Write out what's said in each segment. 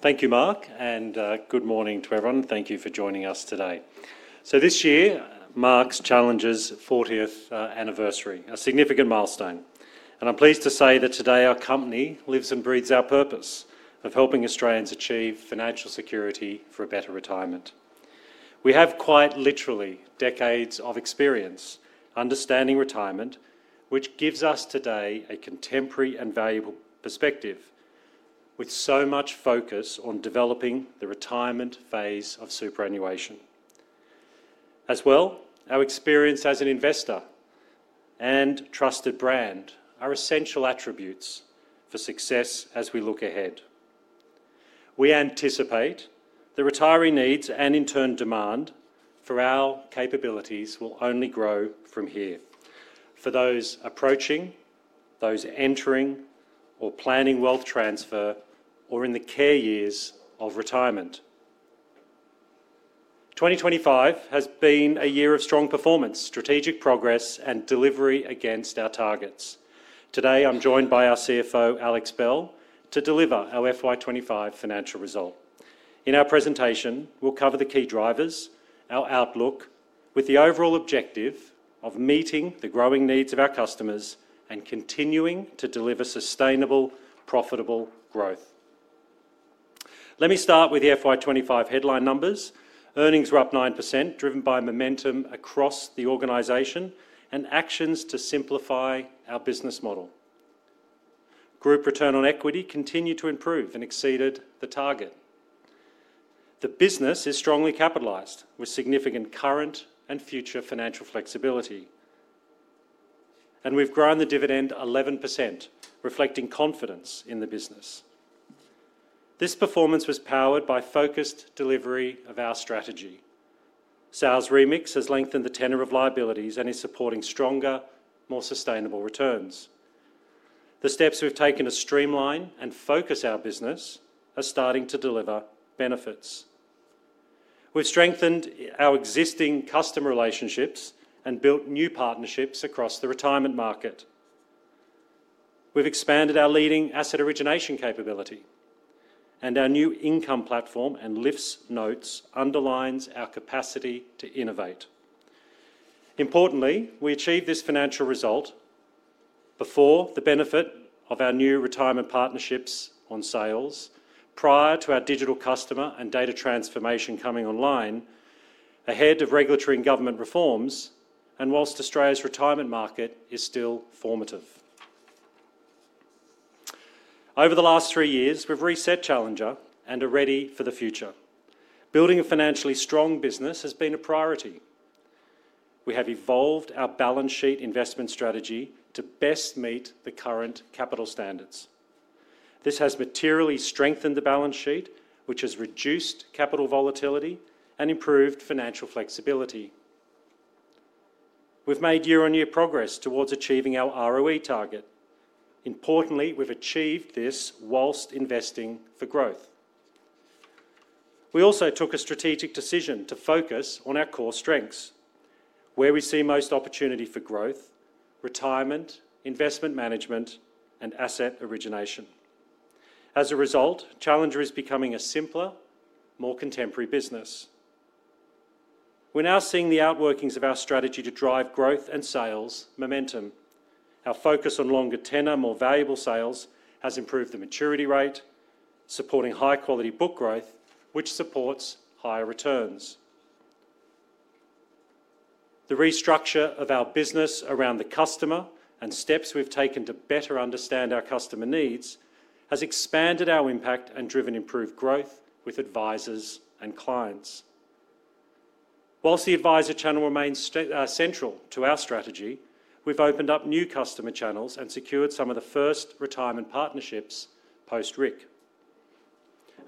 Thank you, Mark, and good morning to everyone. Thank you for joining us today. This year marks Challenger's 40th anniversary, a significant milestone. I'm pleased to say that today our company lives and breathes our purpose of helping Australians achieve financial security for a better retirement. We have quite literally decades of experience understanding retirement, which gives us today a contemporary and valuable perspective with so much focus on developing the retirement phase of superannuation. Our experience as an investor and trusted brand are essential attributes for success as we look ahead. We anticipate the retiree needs and, in turn, demand for our capabilities will only grow from here. For those approaching, those entering, or planning wealth transfer, or in the care years of retirement, 2025 has been a year of strong performance, strategic progress, and delivery against our targets. Today, I'm joined by our CFO, Alexandra Bell, to deliver our FY 2025 Financial Result. In our presentation, we'll cover the key drivers and our outlook, with the overall objective of meeting the growing needs of our customers and continuing to deliver sustainable, profitable growth. Let me start with the FY 2025 headline numbers. Earnings were up 9%, driven by momentum across the organization and actions to simplify our business model. Group return on equity continued to improve and exceeded the target. The business is strongly capitalized, with significant current and future financial flexibility. We've grown the dividend 11%, reflecting confidence in the business. This performance was powered by focused delivery of our strategy. Sales remix has lengthened the tenure of liabilities and is supporting stronger, more sustainable returns. The steps we've taken to streamline and focus our business are starting to deliver benefits. We've strengthened our existing customer relationships and built new partnerships across the retirement market. We've expanded our leading asset origination capability, and our new income platform and LiFTS 1 Notes underline our capacity to innovate. Importantly, we achieved this financial result before the benefit of our new retirement partnerships on sales, prior to our digital customer and data transformation coming online, ahead of regulatory and government reforms, and while Australia's retirement market is still formative. Over the last three years, we've reset Challenger and are ready for the future. Building a financially strong business has been a priority. We have evolved our balance sheet investment strategy to best meet the current capital standards. This has materially strengthened the balance sheet, which has reduced capital volatility and improved financial flexibility. We've made year-on-year progress towards achieving our ROE target. Importantly, we've achieved this whilst investing for growth. We also took a strategic decision to focus on our core strengths, where we see most opportunity for growth: retirement, investment management, and asset origination. As a result, Challenger is becoming a simpler, more contemporary business. We're now seeing the outworkings of our strategy to drive growth and sales momentum. Our focus on longer tenure, more valuable sales has improved the maturity rate, supporting high-quality book growth, which supports higher returns. The restructure of our business around the customer and steps we've taken to better understand our customer needs has expanded our impact and driven improved growth with advisors and clients. Whilst the advisor channel remains central to our strategy, we've opened up new customer channels and secured some of the first retirement partnerships post-RIC,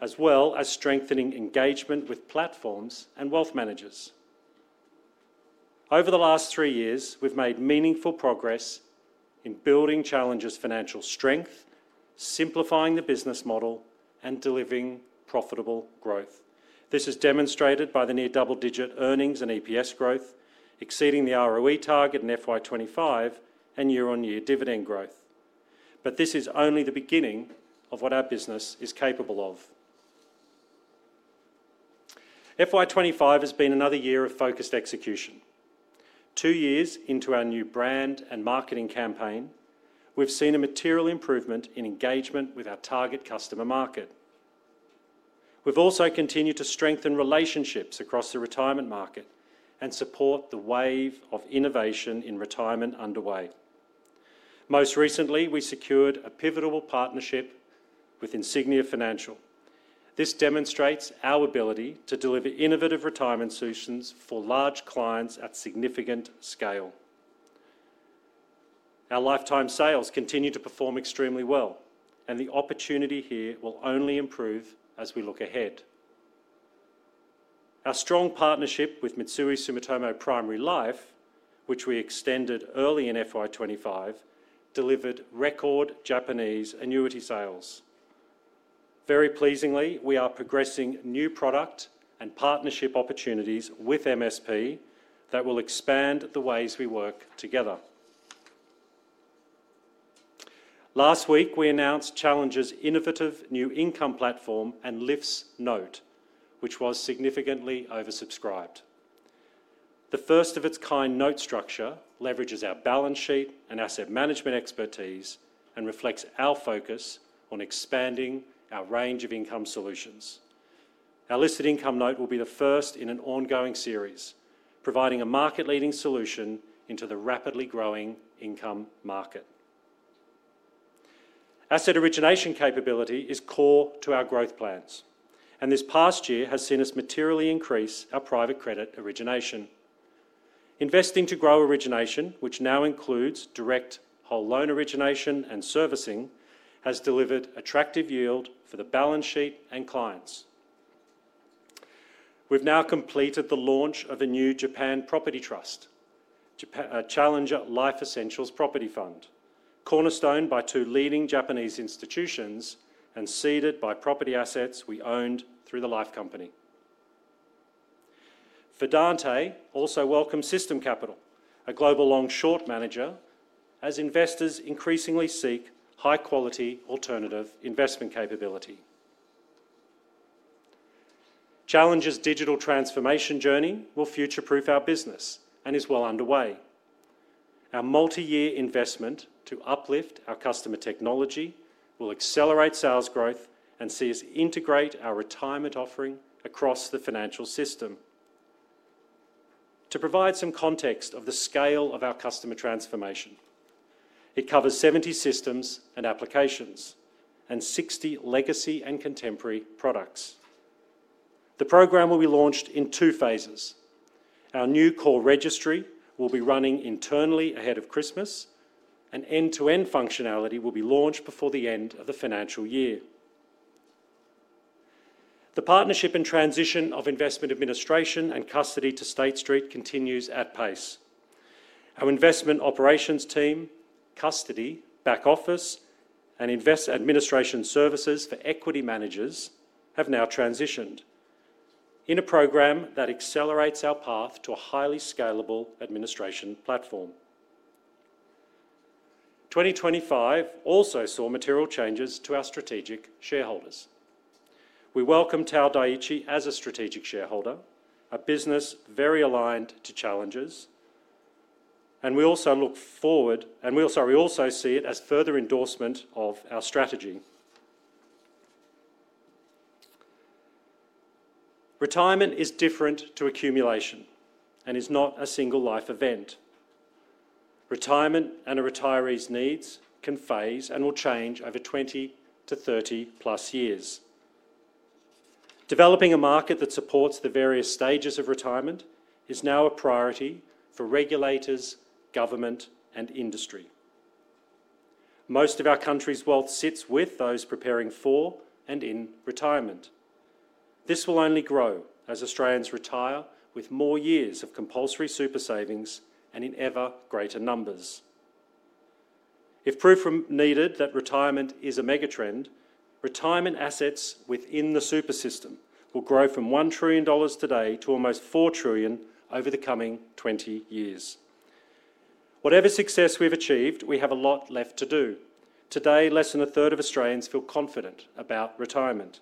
as well as strengthening engagement with platforms and wealth managers. Over the last three years, we've made meaningful progress in building Challenger's financial strength, simplifying the business model, and delivering profitable growth. This is demonstrated by the near double-digit earnings and EPS growth, exceeding the ROE target in FY 2025, and year-on-year dividend growth. This is only the beginning of what our business is capable of. FY 2025 has been another year of focused execution. Two years into our new brand and marketing campaign, we've seen a material improvement in engagement with our target customer market. We've also continued to strengthen relationships across the retirement market and support the wave of innovation in retirement underway. Most recently, we secured a pivotal partnership with Insignia Financial. This demonstrates our ability to deliver innovative retirement solutions for large clients at significant scale. Our lifetime sales continue to perform extremely well, and the opportunity here will only improve as we look ahead. Our strong partnership with Mitsui Sumitomo Primary Life, which we extended early in FY 2025, delivered record Japanese annuity sales. Very pleasingly, we are progressing new product and partnership opportunities with Mitsui Sumitomo Primary Life that will expand the ways we work together. Last week, we announced Challenger's innovative new income platform and LiFTS 1 Notes, which was significantly oversubscribed. The first-of-its-kind note structure leverages our balance sheet and asset management expertise and reflects our focus on expanding our range of income solutions. Our listed income note will be the first in an ongoing series, providing a market-leading solution into the rapidly growing income market. Asset origination capability is core to our growth plans, and this past year has seen us materially increase our private credit origination. Investing to grow origination, which now includes direct whole loan origination and servicing, has delivered attractive yield for the balance sheet and clients. We've now completed the launch of the new Japan Property Trust, Challenger Life Essentials Property Fund, cornerstoned by two leading Japanese institutions and seeded by property assets we owned through the Life Company. Fidante also welcomes System Capital, a global long-short manager, as investors increasingly seek high-quality alternative investment capability. Challenger's digital transformation journey will future-proof our business and is well underway. Our multi-year investment to uplift our customer technology will accelerate sales growth and see us integrate our retirement offering across the financial system. To provide some context of the scale of our customer transformation, it covers 70 systems and applications and 60 legacy and contemporary products. The program will be launched in two phases. Our new core registry will be running internally ahead of Christmas, and end-to-end functionality will be launched before the end of the financial year. The partnership and transition of Investment Administration and Custody to State Street continues at pace. Our Investment Operations Team, Custody, Back Office, and Investment Administration Services for Equity Managers have now transitioned in a program that accelerates our path to a highly scalable administration platform. 2025 also saw material changes to our strategic shareholders. We welcome Tao Daichi as a strategic shareholder, a business very aligned to Challenger's, and we also look forward, and we also see it as further endorsement of our strategy. Retirement is different to accumulation and is not a single life event. Retirement and a retiree's needs can phase and will change over 20-30+ years. Developing a market that supports the various stages of retirement is now a priority for regulators, government, and industry. Most of our country's wealth sits with those preparing for and in retirement. This will only grow as Australians retire with more years of compulsory super savings and in ever greater numbers. If proof were needed that retirement is a megatrend, retirement assets within the super system will grow from 1 trillion dollars today to almost 4 trillion over the coming 20 years. Whatever success we've achieved, we have a lot left to do. Today, less than a third of Australians feel confident about retirement,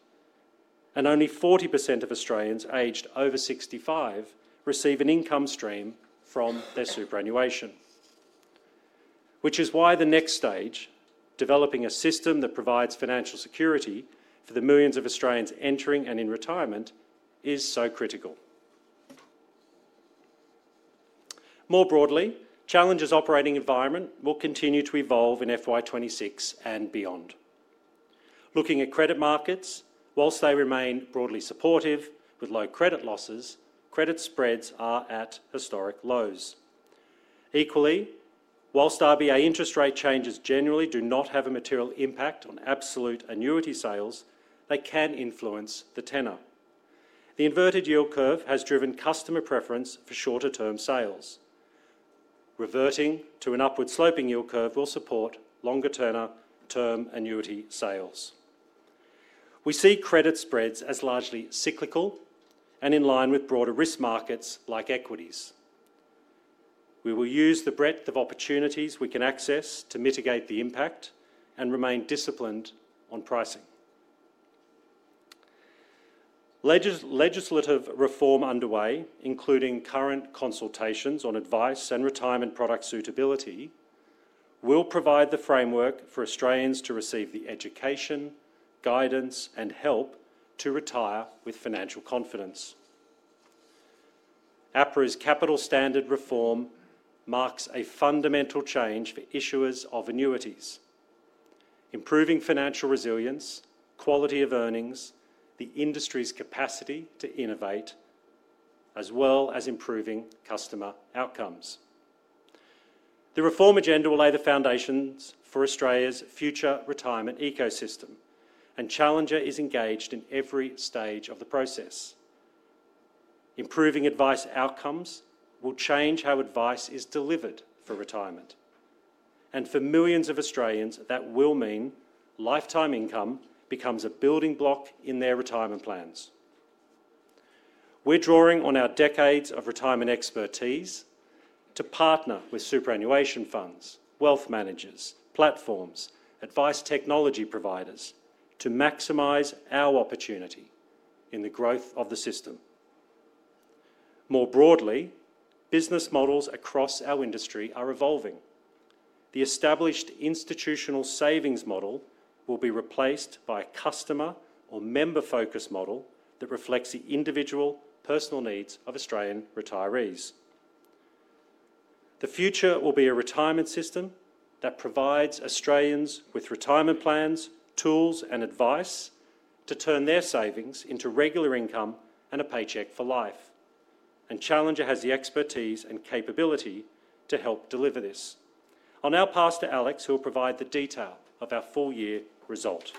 and only 40% of Australians aged over 65 receive an income stream from their superannuation, which is why the next stage, developing a system that provides financial security for the millions of Australians entering and in retirement, is so critical. More broadly, Challenger's operating environment will continue to evolve in FY 2026 and beyond. Looking at credit markets, whilst they remain broadly supportive with low credit losses, credit spreads are at historic lows. Equally, whilst RBA interest rate changes generally do not have a material impact on absolute annuity sales, they can influence the tenure. The inverted yield curve has driven customer preference for shorter-term sales. Reverting to an upward-sloping yield curve will support longer term annuity sales. We see credit spreads as largely cyclical and in line with broader risk markets like equities. We will use the breadth of opportunities we can access to mitigate the impact and remain disciplined on pricing. Legislative reform underway, including current consultations on advice and retirement product suitability, will provide the framework for Australians to receive the education, guidance, and help to retire with financial confidence. APRA's capital standard reform marks a fundamental change for issuers of annuities, improving financial resilience, quality of earnings, the industry's capacity to innovate, as well as improving customer outcomes. The reform agenda will lay the foundations for Australia's future retirement ecosystem, and Challenger is engaged in every stage of the process. Improving advice outcomes will change how advice is delivered for retirement, and for millions of Australians, that will mean lifetime income becomes a building block in their retirement plans. We're drawing on our decades of retirement expertise to partner with superannuation funds, wealth managers, platforms, and advice technology providers to maximize our opportunity in the growth of the system. More broadly, business models across our industry are evolving. The established institutional savings model will be replaced by a customer or member-focused model that reflects the individual personal needs of Australian retirees. The future will be a retirement system that provides Australians with retirement plans, tools, and advice to turn their savings into regular income and a paycheck for life. Challenger has the expertise and capability to help deliver this. I'll now pass to Alex, who will provide the detail of our full-year result.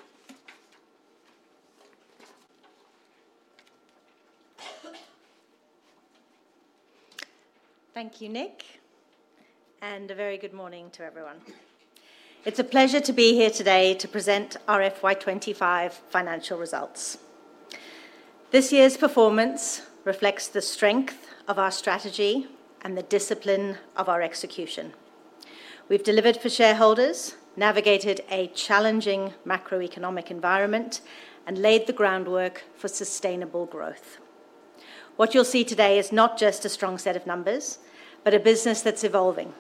Thank you, Nick, and a very good morning to everyone. It's a pleasure to be here today to present our FY 2025 financial results. This year's performance reflects the strength of our strategy and the discipline of our execution. We've delivered for shareholders, navigated a challenging macroeconomic environment, and laid the groundwork for sustainable growth. What you'll see today is not just a strong set of numbers, but a business that's evolving,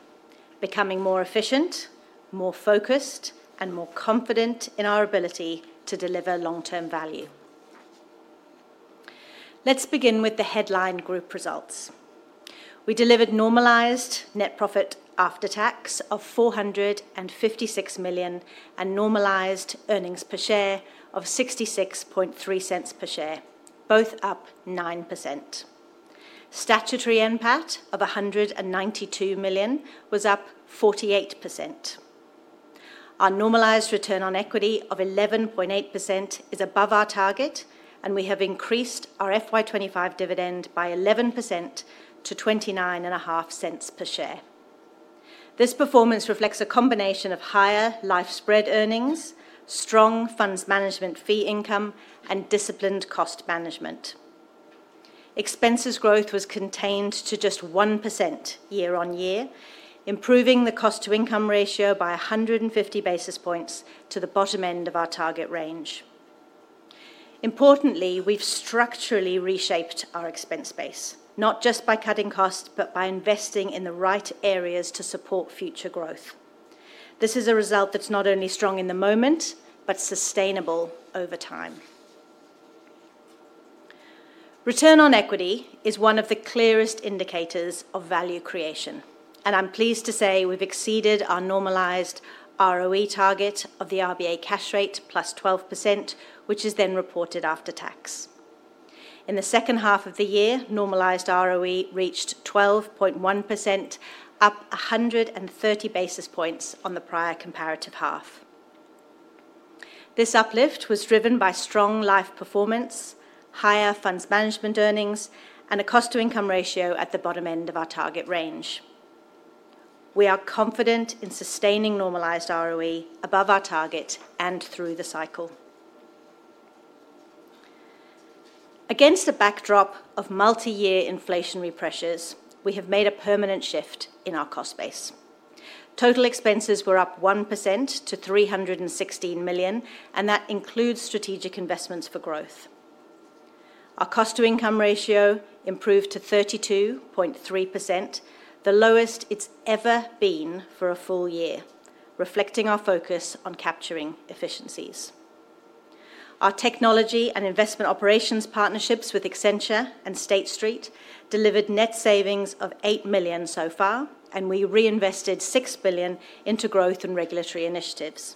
becoming more efficient, more focused, and more confident in our ability to deliver long-term value. Let's begin with the headline group results. We delivered normalised net profit after tax of 456 million and normalised earnings per share of 0.663 per share, both up 9%. Statutory NPAT of 192 million was up 48%. Our normalised return on equity of 11.8% is above our target, and we have increased our FY 2025 dividend by 11% to 0.295 per share. This performance reflects a combination of higher life spread earnings, strong funds management fee income, and disciplined cost management. Expenses growth was contained to just 1% year-on-year, improving the cost-to-income ratio by 150 basis points to the bottom end of our target range. Importantly, we've structurally reshaped our expense base, not just by cutting costs, but by investing in the right areas to support future growth. This is a result that's not only strong in the moment, but sustainable over time. Return on equity is one of the clearest indicators of value creation, and I'm pleased to say we've exceeded our normalised ROE target of the RBA cash rate plus 12%, which is then reported after tax. In the second half of the year, normalised ROE reached 12.1%, up 130 basis points on the prior comparative half. This uplift was driven by strong life performance, higher funds management earnings, and a cost-to-income ratio at the bottom end of our target range. We are confident in sustaining normalised ROE above our target and through the cycle. Against a backdrop of multi-year inflationary pressures, we have made a permanent shift in our cost base. Total expenses were up 1% to 316 million, and that includes strategic investments for growth. Our cost-to-income ratio improved to 32.3%, the lowest it's ever been for a full year, reflecting our focus on capturing efficiencies. Our technology and investment operations partnerships with Accenture and State Street delivered net savings of 8 million so far, and we reinvested 6 billion into growth and regulatory initiatives.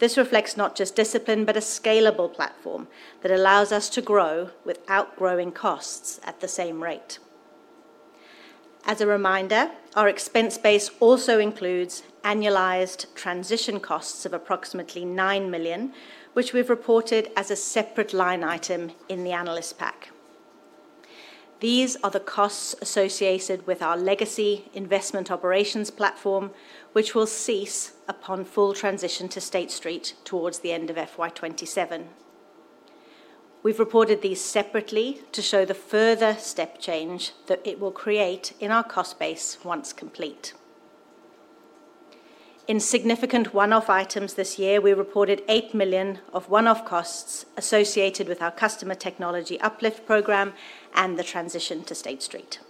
This reflects not just discipline, but a scalable platform that allows us to grow without growing costs at the same rate. As a reminder, our expense base also includes annualized transition costs of approximately 9 million, which we've reported as a separate line item in the analyst pack. These are the costs associated with our legacy investment operations platform, which will cease upon full transition to State Street towards the end of FY 2027. We've reported these separately to show the further step change that it will create in our cost base once complete. In significant one-off items this year, we reported 8 million of one-off costs associated with our customer technology uplift program and the transition to State Street.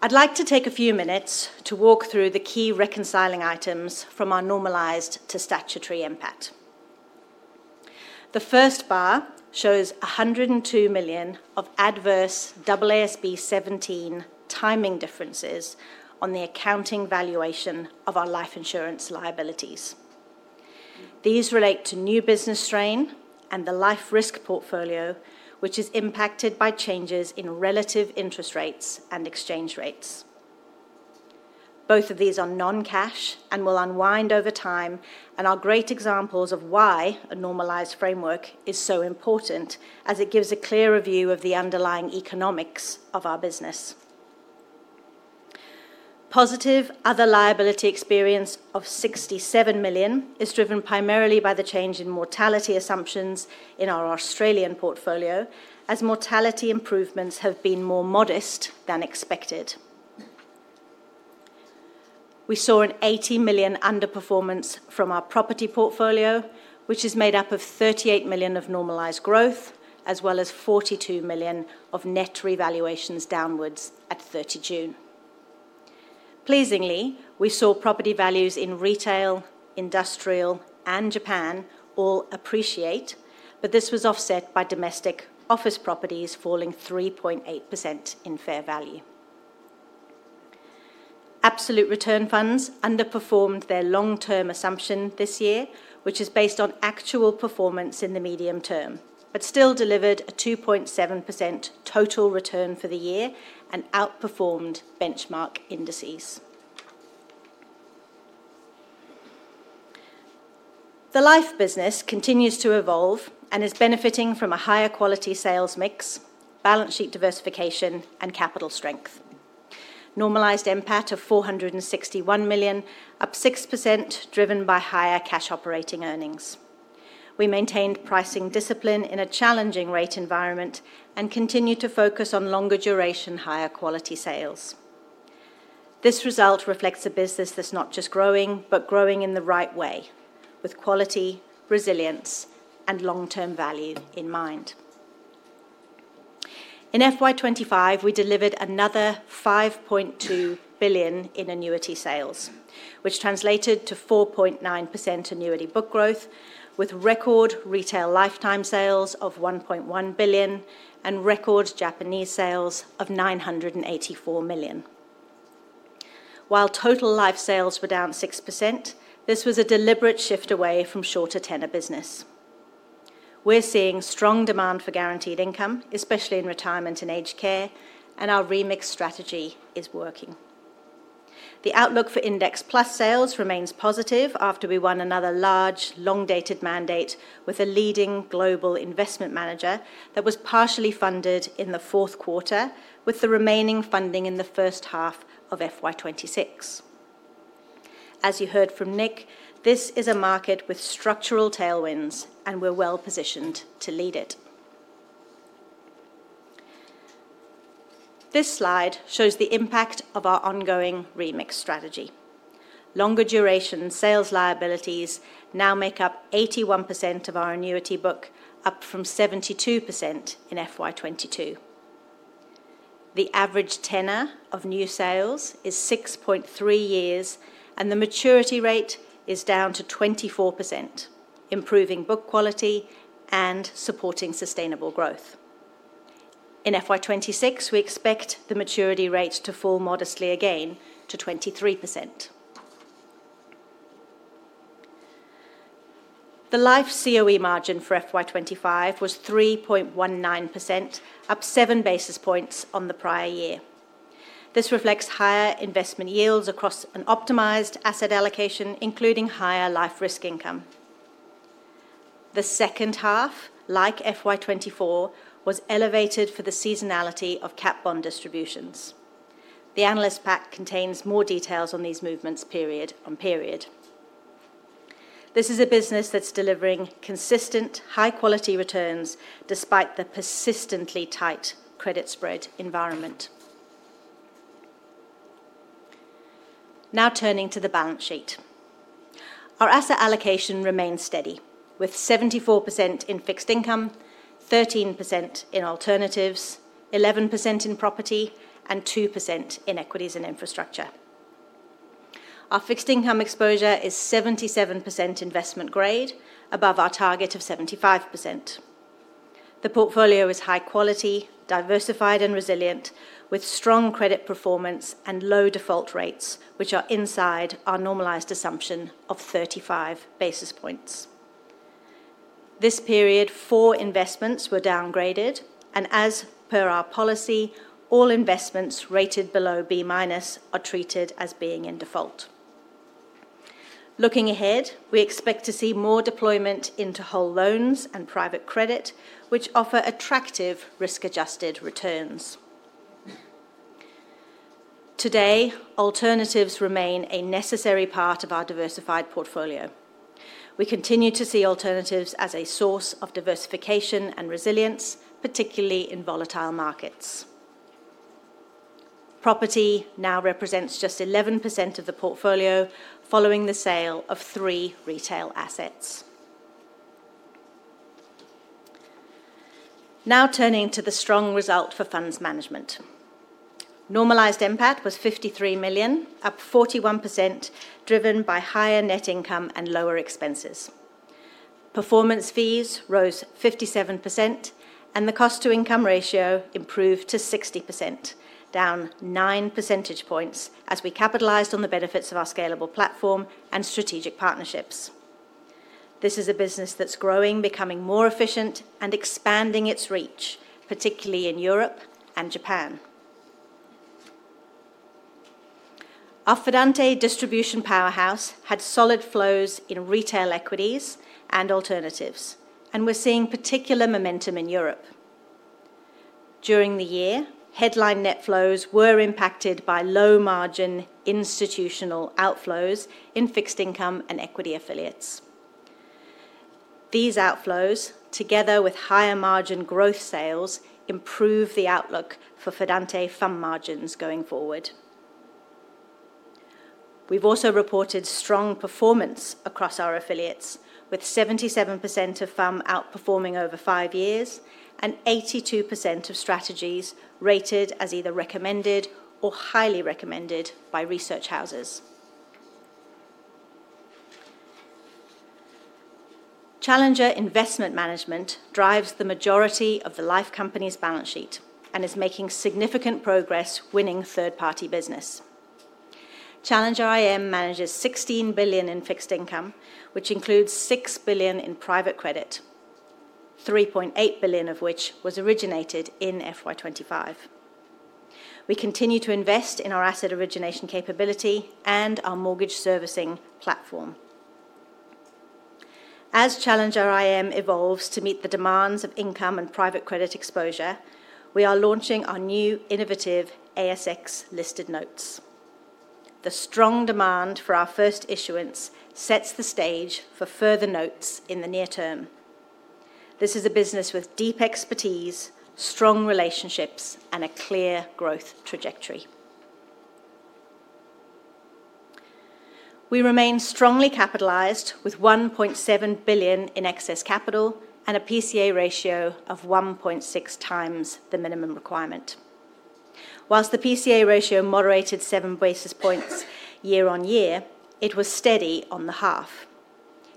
I'd like to take a few minutes to walk through the key reconciling items from our normalised to statutory end part. The first bar shows 102 million of adverse AASB 17 timing differences on the accounting valuation of our life insurance liabilities. These relate to new business strain and the life risk portfolio, which is impacted by changes in relative interest rates and exchange rates. Both of these are non-cash and will unwind over time and are great examples of why a normalised framework is so important, as it gives a clearer view of the underlying economics of our business. Positive other liability experience of 67 million is driven primarily by the change in mortality assumptions in our Australian portfolio, as mortality improvements have been more modest than expected. We saw an 80 million underperformance from our property portfolio, which is made up of 38 million of normalised growth, as well as 42 million of net revaluations downwards at 30 June. Pleasingly, we saw property values in retail, industrial, and Japan all appreciate, but this was offset by domestic office properties falling 3.8% in fair value. Absolute return funds underperformed their long-term assumption this year, which is based on actual performance in the medium term, but still delivered a 2.7% total return for the year and outperformed benchmark indices. The life business continues to evolve and is benefiting from a higher quality sales mix, balance sheet diversification, and capital strength. Normalised end part of 461 million, up 6%, driven by higher cash operating earnings. We maintained pricing discipline in a challenging rate environment and continue to focus on longer duration, higher quality sales. This result reflects a business that's not just growing, but growing in the right way, with quality, resilience, and long-term value in mind. In FY 2025, we delivered another 5.2 billion in annuity sales, which translated to 4.9% annuity book growth, with record retail lifetime sales of 1.1 billion and record Japanese sales of 984 million. While total life sales were down 6%, this was a deliberate shift away from shorter tenure business. We're seeing strong demand for guaranteed income, especially in retirement and aged care, and our remix strategy is working. The outlook for Index Plus sales remains positive after we won another large, long-dated mandate with a leading global investment manager that was partially funded in the fourth quarter, with the remaining funding in the first half of FY 2026. As you heard from Nick, this is a market with structural tailwinds, and we're well positioned to lead it. This slide shows the impact of our ongoing remix strategy. Longer duration sales liabilities now make up 81% of our annuity book, up from 72% in FY 2022. The average tenure of new sales is 6.3 years, and the maturity rate is down to 24%, improving book quality and supporting sustainable growth. In FY 2026, we expect the maturity rate to fall modestly again to 23%. The life COE margin for FY 2025 was 3.19%, up 7 basis points on the prior year. This reflects higher investment yields across an optimized asset allocation, including higher life risk income. The second half, like FY 2024, was elevated for the seasonality of cap bond distributions. The analyst pack contains more details on these movements, period on period. This is a business that's delivering consistent, high-quality returns despite the persistently tight credit spread environment. Now turning to the balance sheet. Our asset allocation remains steady, with 74% in fixed income, 13% in alternatives, 11% in property, and 2% in equities and infrastructure. Our fixed income exposure is 77% investment grade, above our target of 75%. The portfolio is high quality, diversified, and resilient, with strong credit performance and low default rates, which are inside our normalised assumption of 35 basis points. This period, four investments were downgraded, and as per our policy, all investments rated below B- are treated as being in default. Looking ahead, we expect to see more deployment into whole loans and private credit, which offer attractive risk-adjusted returns. Today, alternatives remain a necessary part of our diversified portfolio. We continue to see alternatives as a source of diversification and resilience, particularly in volatile markets. Property now represents just 11% of the portfolio, following the sale of three retail assets. Now turning to the strong result for funds management. Normalised end part was 53 million, up 41%, driven by higher net income and lower expenses. Performance fees rose 57%, and the cost-to-income ratio improved to 60%, down 9 percentage points as we capitalized on the benefits of our scalable platform and strategic partnerships. This is a business that's growing, becoming more efficient, and expanding its reach, particularly in Europe and Japan. Our Fidante distribution powerhouse had solid flows in retail equities and alternatives, and we're seeing particular momentum in Europe. During the year, headline net flows were impacted by low margin institutional outflows in fixed income and equity affiliates. These outflows, together with higher margin growth sales, improve the outlook for Fidante fund margins going forward. We've also reported strong performance across our affiliates, with 77% of funds outperforming over five years and 82% of strategies rated as either recommended or highly recommended by research houses. Challenger Investment Management drives the majority of the Life Company's balance sheet and is making significant progress, winning third-party business. Challenger IM manages 16 billion in fixed income, which includes 6 billion in private credit, 3.8 billion of which was originated in FY 2025. We continue to invest in our asset origination capability and our mortgage servicing platform. As Challenger IM evolves to meet the demands of income and private credit exposure, we are launching our new innovative ASX listed notes. The strong demand for our first issuance sets the stage for further notes in the near term. This is a business with deep expertise, strong relationships, and a clear growth trajectory. We remain strongly capitalized with 1.7 billion in excess capital and a PCA ratio of 1.6 times the minimum requirement. Whilst the PCA ratio moderated 7 basis points year-on-year, it was steady on the half.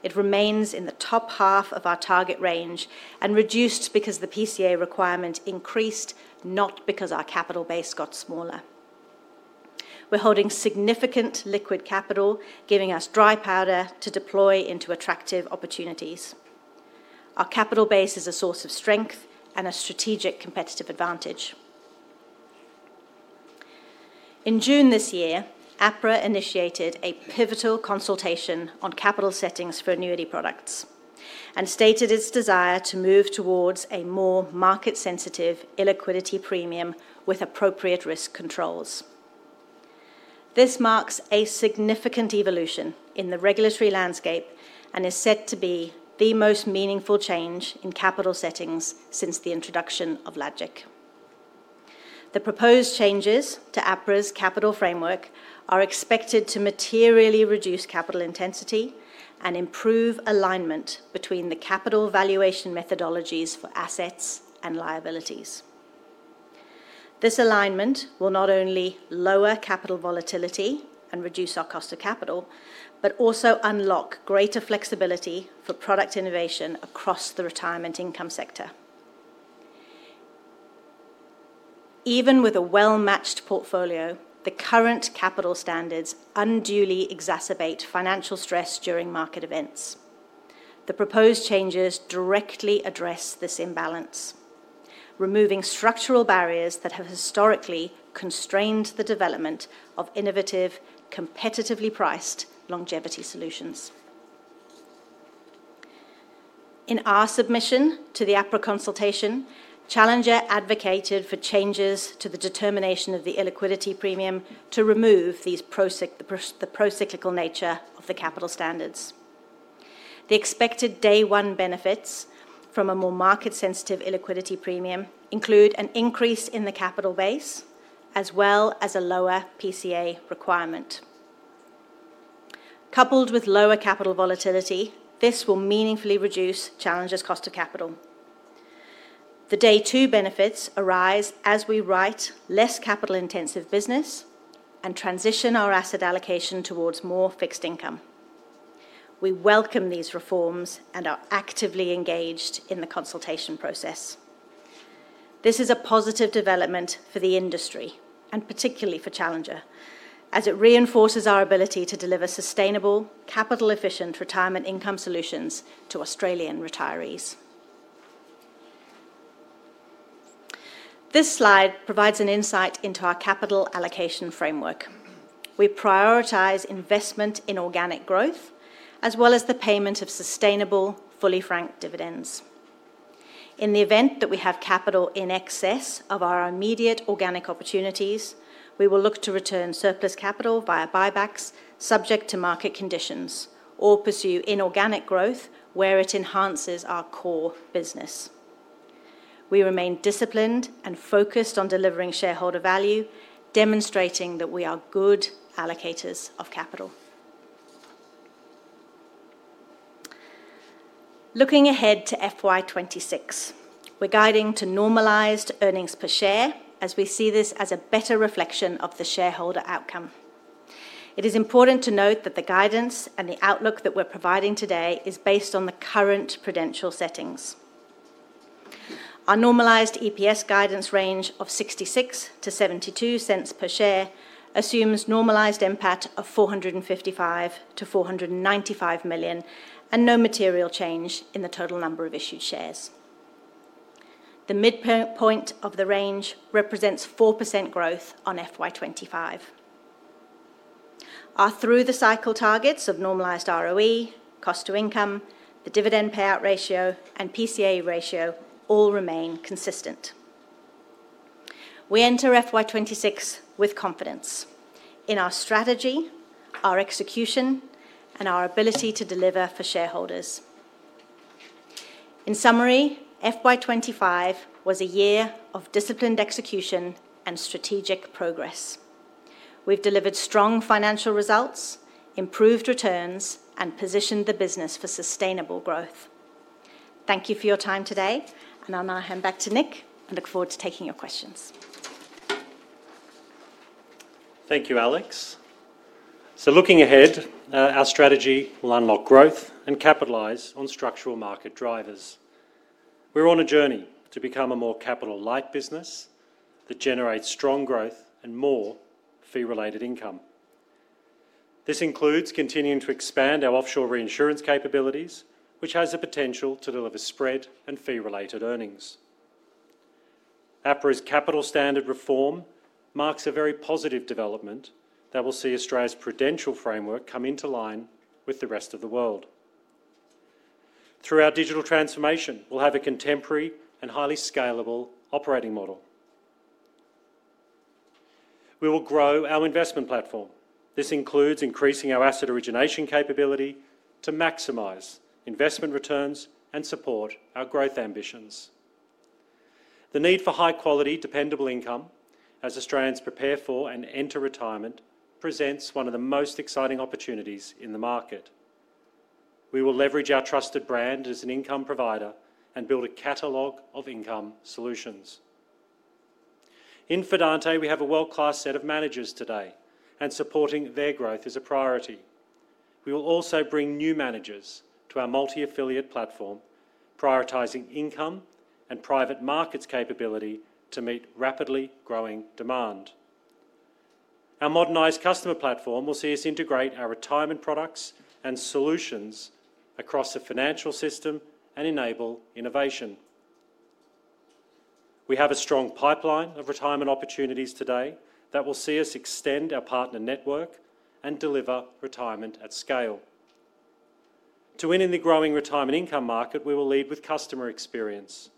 It remains in the top half of our target range and reduced because the PCA requirement increased, not because our capital base got smaller. We're holding significant liquid capital, giving us dry powder to deploy into attractive opportunities. Our capital base is a source of strength and a strategic competitive advantage. In June this year, APRA initiated a pivotal consultation on capital settings for annuity products and stated its desire to move towards a more market-sensitive illiquidity premium with appropriate risk controls. This marks a significant evolution in the regulatory landscape and is set to be the most meaningful change in capital settings since the introduction of Logic. The proposed changes to APRA's capital framework are expected to materially reduce capital intensity and improve alignment between the capital valuation methodologies for assets and liabilities. This alignment will not only lower capital volatility and reduce our cost of capital, but also unlock greater flexibility for product innovation across the retirement income sector. Even with a well-matched portfolio, the current capital standards unduly exacerbate financial stress during market events. The proposed changes directly address this imbalance, removing structural barriers that have historically constrained the development of innovative, competitively priced longevity solutions. In our submission to the APRA consultation, Challenger advocated for changes to the determination of the illiquidity premium to remove the procyclical nature of the capital standards. The expected day-one benefits from a more market-sensitive illiquidity premium include an increase in the capital base, as well as a lower PCA requirement. Coupled with lower capital volatility, this will meaningfully reduce Challenger's cost of capital. The day-two benefits arise as we write less capital-intensive business and transition our asset allocation towards more fixed income. We welcome these reforms and are actively engaged in the consultation process. This is a positive development for the industry, and particularly for Challenger, as it reinforces our ability to deliver sustainable, capital-efficient retirement income solutions to Australian retirees. This slide provides an insight into our capital allocation framework. We prioritize investment in organic growth, as well as the payment of sustainable, fully franked dividends. In the event that we have capital in excess of our immediate organic opportunities, we will look to return surplus capital via buybacks subject to market conditions or pursue inorganic growth where it enhances our core business. We remain disciplined and focused on delivering shareholder value, demonstrating that we are good allocators of capital. Looking ahead to FY 2026, we're guiding to normalised earnings per share, as we see this as a better reflection of the shareholder outcome. It is important to note that the guidance and the outlook that we're providing today are based on the current prudential settings. Our normalised EPS guidance range of 0.66-0.72 per share assumes normalised NPAT of 455 million-495 million and no material change in the total number of issued shares. The midpoint of the range represents 4% growth on FY 2025. Our through-the-cycle targets of normalised ROE, cost-to-income, the dividend payout ratio, and PCA ratio all remain consistent. We enter FY 2026 with confidence in our strategy, our execution, and our ability to deliver for shareholders. In summary, FY 2025 was a year of disciplined execution and strategic progress. We've delivered strong financial results, improved returns, and positioned the business for sustainable growth. Thank you for your time today, and I'll now hand back to Nick and look forward to taking your questions. Thank you, Alex. Looking ahead, our strategy will unlock growth and capitalize on structural market drivers. We're on a journey to become a more capital-light business that generates strong growth and more fee-related income. This includes continuing to expand our offshore reinsurance capabilities, which has the potential to deliver spread and fee-related earnings. APRA's capital standard reform marks a very positive development that will see Australia's prudential framework come into line with the rest of the world. Through our digital transformation, we'll have a contemporary and highly scalable operating model. We will grow our investment platform, including increasing our asset origination capability to maximize investment returns and support our growth ambitions. The need for high-quality, dependable income as Australians prepare for and enter retirement presents one of the most exciting opportunities in the market. We will leverage our trusted brand as an income provider and build a catalogue of income solutions. In Fidante, we have a world-class set of managers today, and supporting their growth is a priority. We will also bring new managers to our multi-affiliate platform, prioritizing income and private markets capability to meet rapidly growing demand. Our modernized customer platform will see us integrate our retirement products and solutions across the financial system and enable innovation. We have a strong pipeline of retirement opportunities today that will see us extend our partner network and deliver retirement at scale. To win in the growing retirement income market, we will lead with customer experience.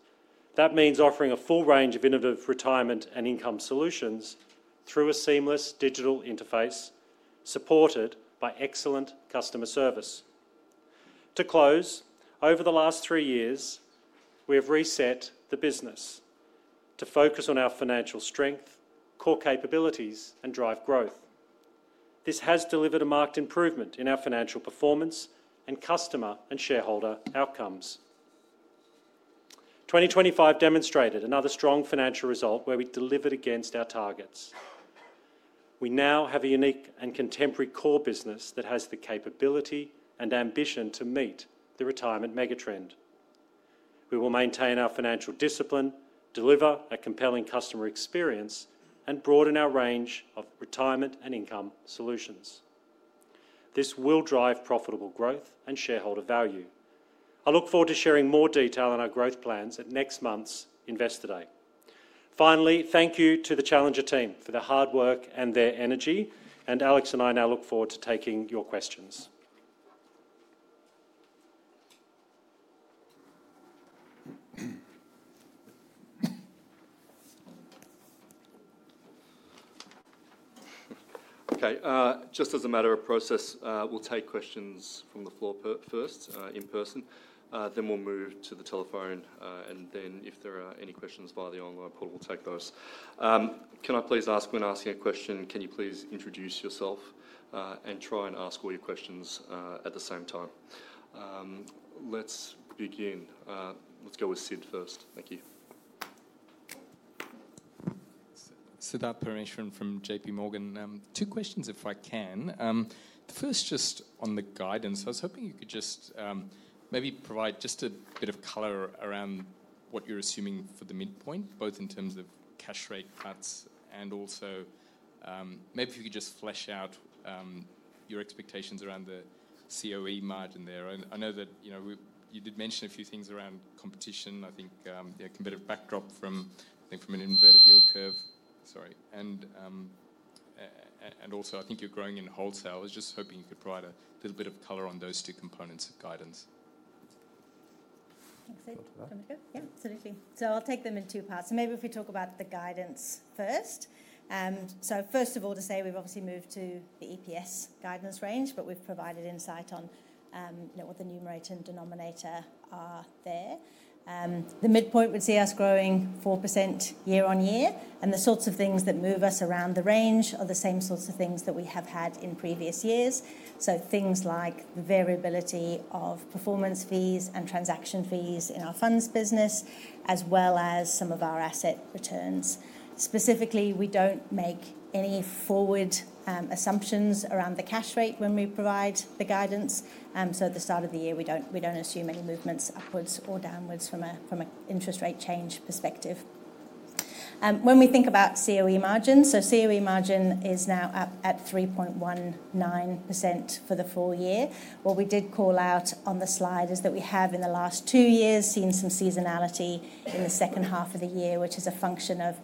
That means offering a full range of innovative retirement and income solutions through a seamless digital interface supported by excellent customer service. To close, over the last three years, we have reset the business to focus on our financial strength, core capabilities, and drive growth. This has delivered a marked improvement in our financial performance and customer and shareholder outcomes. 2025 demonstrated another strong financial result where we delivered against our targets. We now have a unique and contemporary core business that has the capability and ambition to meet the retirement megatrend. We will maintain our financial discipline, deliver a compelling customer experience, and broaden our range of retirement and income solutions. This will drive profitable growth and shareholder value. I look forward to sharing more detail on our growth plans at next month's Investor Day. Finally, thank you to the Challenger team for the hard work and their energy, and Alex and I now look forward to taking your questions. Okay, just as a matter of process, we'll take questions from the floor first in person, then we'll move to the telephone, and then if there are any questions via the online portal, we'll take those. Can I please ask, when asking a question, can you please introduce yourself and try and ask all your questions at the same time? Let's begin. Let's go with Sid first. Thank you. Siddarth Parameswaran from JPMorgan. Two questions, if I can. The first just on the guidance. I was hoping you could just maybe provide just a bit of color around what you're assuming for the midpoint, both in terms of cash rate cuts, and also maybe if you could just flesh out your expectations around the COE margin there. I know that you did mention a few things around competition. I think you have a competitive backdrop from an inverted yield curve. Sorry. I think you're growing in wholesale. I was just hoping you could provide a little bit of color on those two components of guidance. Yeah, absolutely. I'll take them in two parts. Maybe if we talk about the guidance first. First of all, to say we've obviously moved to the EPS guidance range, but we've provided insight on what the numerator and denominator are there. The midpoint would see us growing 4% year-on-year, and the sorts of things that move us around the range are the same sorts of things that we have had in previous years. Things like the variability of performance fees and transaction fees in our funds business, as well as some of our asset returns. Specifically, we don't make any forward assumptions around the cash rate when we provide the guidance. At the start of the year, we don't assume any movements upwards or downwards from an interest rate change perspective. When we think about COE margin, COE margin is now up at 3.19% for the full year. What we did call out on the slide is that we have in the last two years seen some seasonality in the second half of the year, which is a function of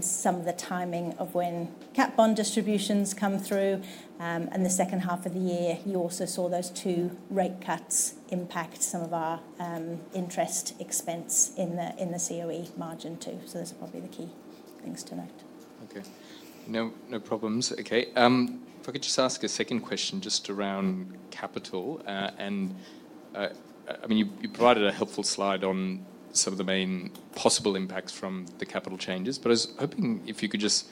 some of the timing of when cap bond distributions come through. In the second half of the year, you also saw those two rate cuts impact some of our interest expense in the COE margin too. Those are probably the key things to note. Okay. No problems. Okay. If I could just ask a second question just around capital. I mean, you provided a helpful slide on some of the main possible impacts from the capital changes, but I was hoping if you could just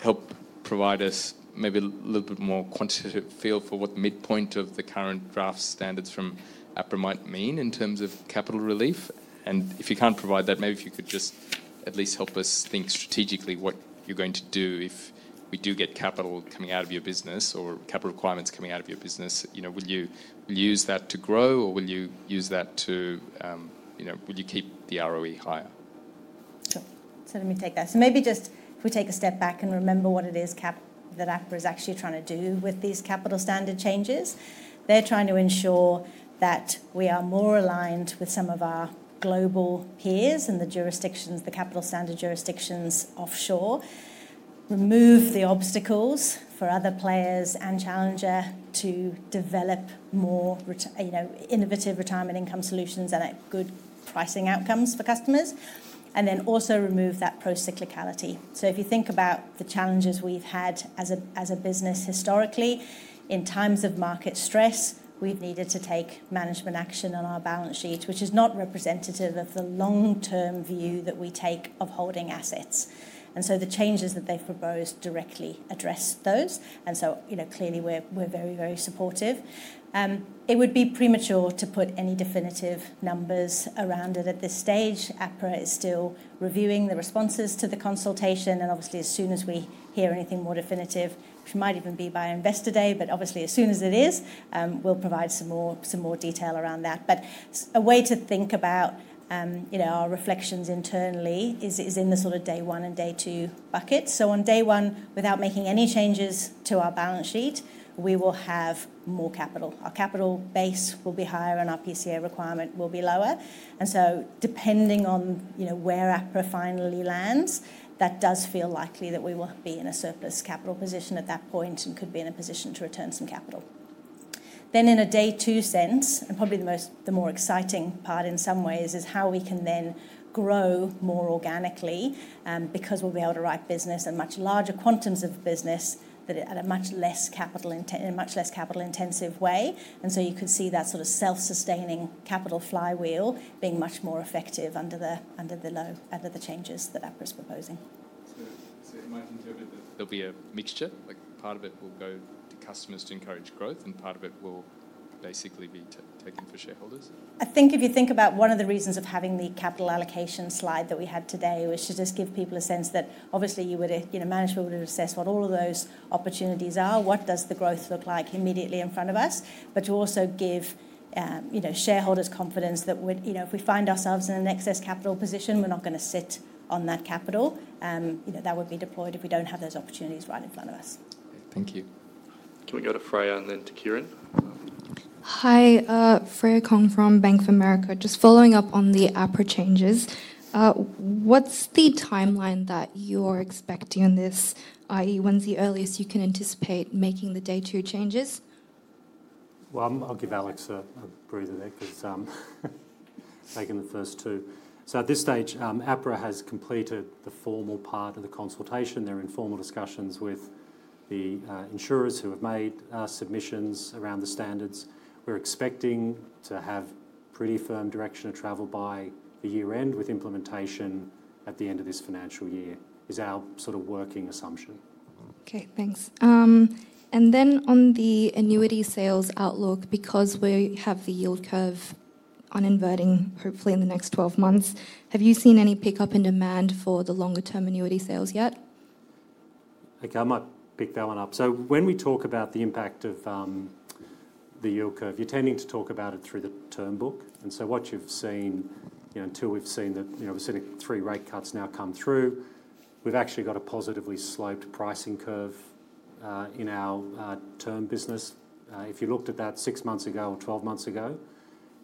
help provide us maybe a little bit more quantitative feel for what the midpoint of the current draft standards from APRA might mean in terms of capital relief. If you can't provide that, maybe if you could just at least help us think strategically what you're going to do if we do get capital coming out of your business or capital requirements coming out of your business. You know, will you use that to grow or will you use that to, you know, will you keep the ROE higher? Sure. Let me take that. Maybe just if we take a step back and remember what it is that APRA is actually trying to do with these capital standard changes. They're trying to ensure that we are more aligned with some of our global peers in the jurisdictions, the capital standard jurisdictions offshore, remove the obstacles for other players and Challenger to develop more innovative retirement income solutions and good pricing outcomes for customers, and also remove that procyclicality. If you think about the challenges we've had as a business historically, in times of market stress, we've needed to take management action on our balance sheet, which is not representative of the long-term view that we take of holding assets. The changes that they've proposed directly address those. We are very, very supportive. It would be premature to put any definitive numbers around it at this stage. APRA is still reviewing the responses to the consultation, and obviously, as soon as we hear anything more definitive, which might even be by Investor Day, as soon as it is, we'll provide some more detail around that. A way to think about our reflections internally is in the sort of day one and day two buckets. On day one, without making any changes to our balance sheet, we will have more capital. Our capital base will be higher and our PCA requirement will be lower. Depending on where APRA finally lands, that does feel likely that we will be in a surplus capital position at that point and could be in a position to return some capital. In a day two sense, and probably the most exciting part in some ways, is how we can then grow more organically because we'll be able to write business and much larger quantums of business at a much less capital-intensive way. You can see that sort of self-sustaining capital flywheel being much more effective under the changes that APRA is proposing. In my own terms, there'll be a mixture. Part of it will go to customers to encourage growth, and part of it will basically be taken for shareholders. I think if you think about one of the reasons of having the capital allocation slide that we had today, it was to just give people a sense that obviously you would, you know, management would assess what all of those opportunities are, what does the growth look like immediately in front of us, but to also give, you know, shareholders confidence that, you know, if we find ourselves in an excess capital position, we're not going to sit on that capital. You know, that would be deployed if we don't have those opportunities right in front of us. Thank you. Can we go to Freya and then to Kieren? Hi, Freya Kong from Bank of America. Just following up on the APRA changes, what's the timeline that you're expecting on this, i.e., when's the earliest you can anticipate making the day two changes? I'll give Alex a breather there because I'm making the first two. At this stage, APRA has completed the formal part of the consultation. They're in formal discussions with the insurers who have made submissions around the standards. We're expecting to have pretty firm direction of travel by the year-end, with implementation at the end of this financial year as our sort of working assumption. Okay, thanks. On the annuity sales outlook, because we have the yield curve inverting, hopefully in the next 12 months, have you seen any pickup in demand for the longer-term annuity sales yet? Okay, I might pick that one up. When we talk about the impact of the yield curve, you're tending to talk about it through the term book. What you've seen, until we've seen that, we've seen three rate cuts now come through, we've actually got a positively sloped pricing curve in our term business. If you looked at that six months ago or 12 months ago,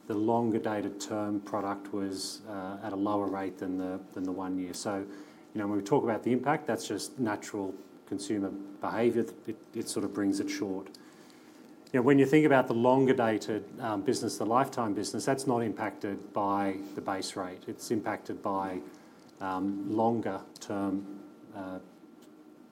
the longer dated term product was at a lower rate than the one year. When we talk about the impact, that's just natural consumer behavior. It sort of brings it short. When you think about the longer dated business, the lifetime business, that's not impacted by the base rate. It's impacted by longer-term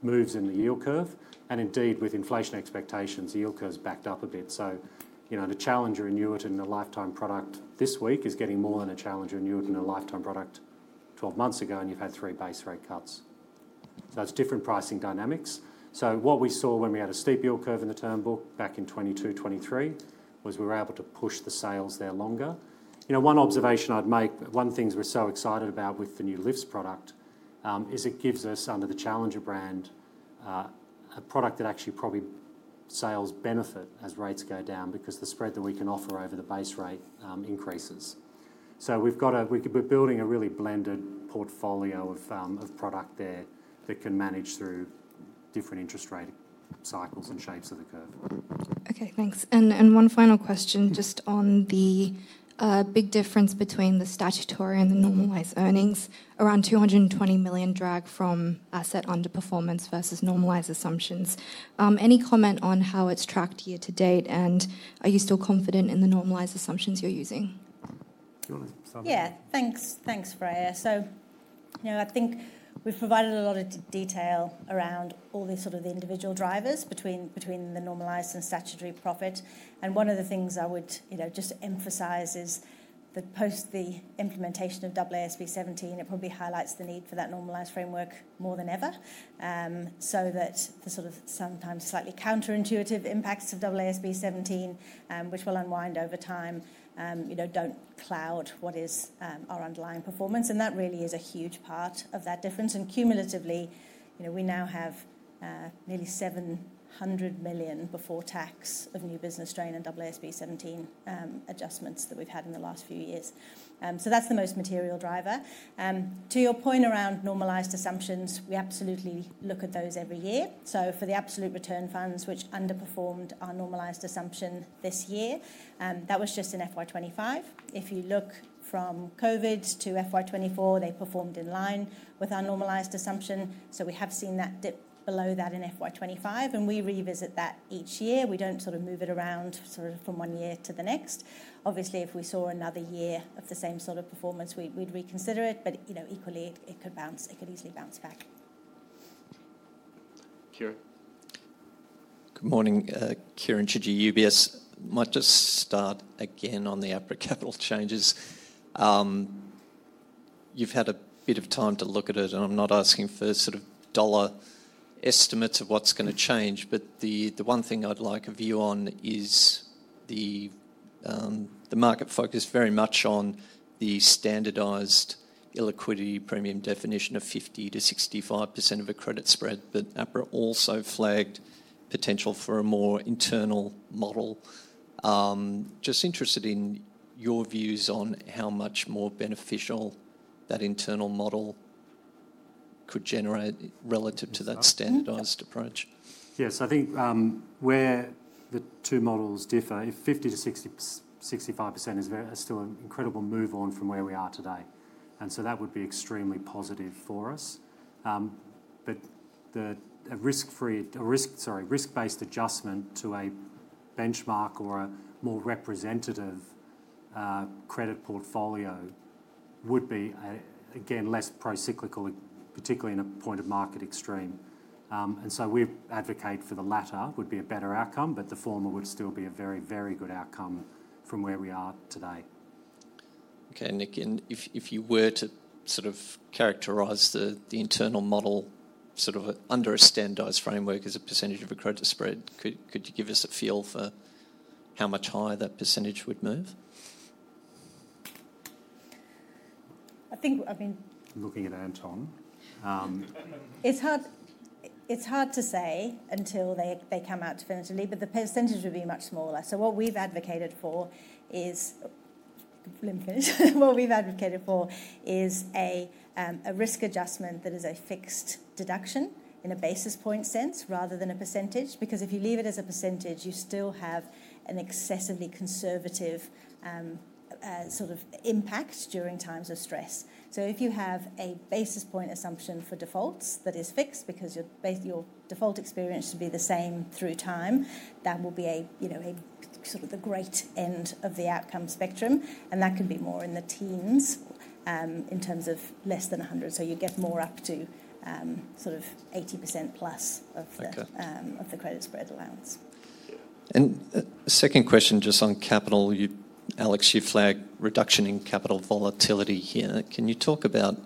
moves in the yield curve. Indeed, with inflation expectations, yield curves backed up a bit. The Challenger annuity and the lifetime product this week is getting more than a Challenger annuity and a lifetime product 12 months ago, and you've had three base rate cuts. That's different pricing dynamics. What we saw when we had a steep yield curve in the term book back in 2022, 2023 was we were able to push the sales there longer. One observation I'd make, one of the things we're so excited about with the new LiFTS 1 Notes product is it gives us, under the Challenger brand, a product that actually probably sales benefit as rates go down because the spread that we can offer over the base rate increases. We're building a really blended portfolio of product there that can manage through different interest rate cycles and shapes of the curve. Okay, thanks. One final question just on the big difference between the statutory and the normalised earnings, around 220 million drag from asset underperformance versus normalised assumptions. Any comment on how it's tracked year to date, and are you still confident in the normalised assumptions you're using? Yeah, thanks, thanks Freya. I think we've provided a lot of detail around all the individual drivers between the normalised and statutory profit. One of the things I would just emphasize is that post the implementation of AASB 17, it probably highlights the need for that normalised framework more than ever. The sometimes slightly counterintuitive impacts of AASB 17, which will unwind over time, don't cloud what is our underlying performance. That really is a huge part of that difference. Cumulatively, we now have nearly 700 million before tax of new business strain and AASB 17 adjustments that we've had in the last few years. That's the most material driver. To your point around normalised assumptions, we absolutely look at those every year. For the absolute return funds, which underperformed our normalised assumption this year, that was just in FY 2025. If you look from COVID to FY 2024, they performed in line with our normalised assumption. We have seen that dip below that in FY 2025, and we revisit that each year. We don't move it around from one year to the next. Obviously, if we saw another year of the same sort of performance, we'd reconsider it. Equally, it could bounce, it could easily bounce back. Kieren. Good morning, Kieren Chidgey, UBS. Might just start again on the APRA capital changes. You've had a bit of time to look at it, and I'm not asking for sort of dollar estimates of what's going to change. The one thing I'd like a view on is the market focused very much on the standardized illiquidity premium definition of 50%-65% of a credit spread. APRA also flagged potential for a more internal model. Just interested in your views on how much more beneficial that internal model could generate relative to that standardized approach. I think where the two models differ, if 50%-65% is still an incredible move on from where we are today. That would be extremely positive for us. A risk-based adjustment to a benchmark or a more representative credit portfolio would be, again, less procyclical, particularly in a point of market extreme. We advocate for the latter would be a better outcome, but the former would still be a very, very good outcome from where we are today. Okay, Nick, if you were to sort of characterize the internal model under a standardized framework as a percentage of a credit spread, could you give us a feel for how much higher that percentage would move? I think. Looking at. It's hard to say until they come out definitively, but the percentage would be much smaller. What we've advocated for is a risk adjustment that is a fixed deduction in a basis point sense rather than a %percentage. If you leave it as a percentage, you still have an excessively conservative sort of impact during times of stress. If you have a basis point assumption for defaults that is fixed, because your default experience should be the same through time, that will be a sort of the great end of the outcome spectrum. That could be more in the teens in terms of less than 100. You get more up to sort of 80%+ of the credit spread allowance. A second question just on capital. Alex, you flag reduction in capital volatility here. Can you talk about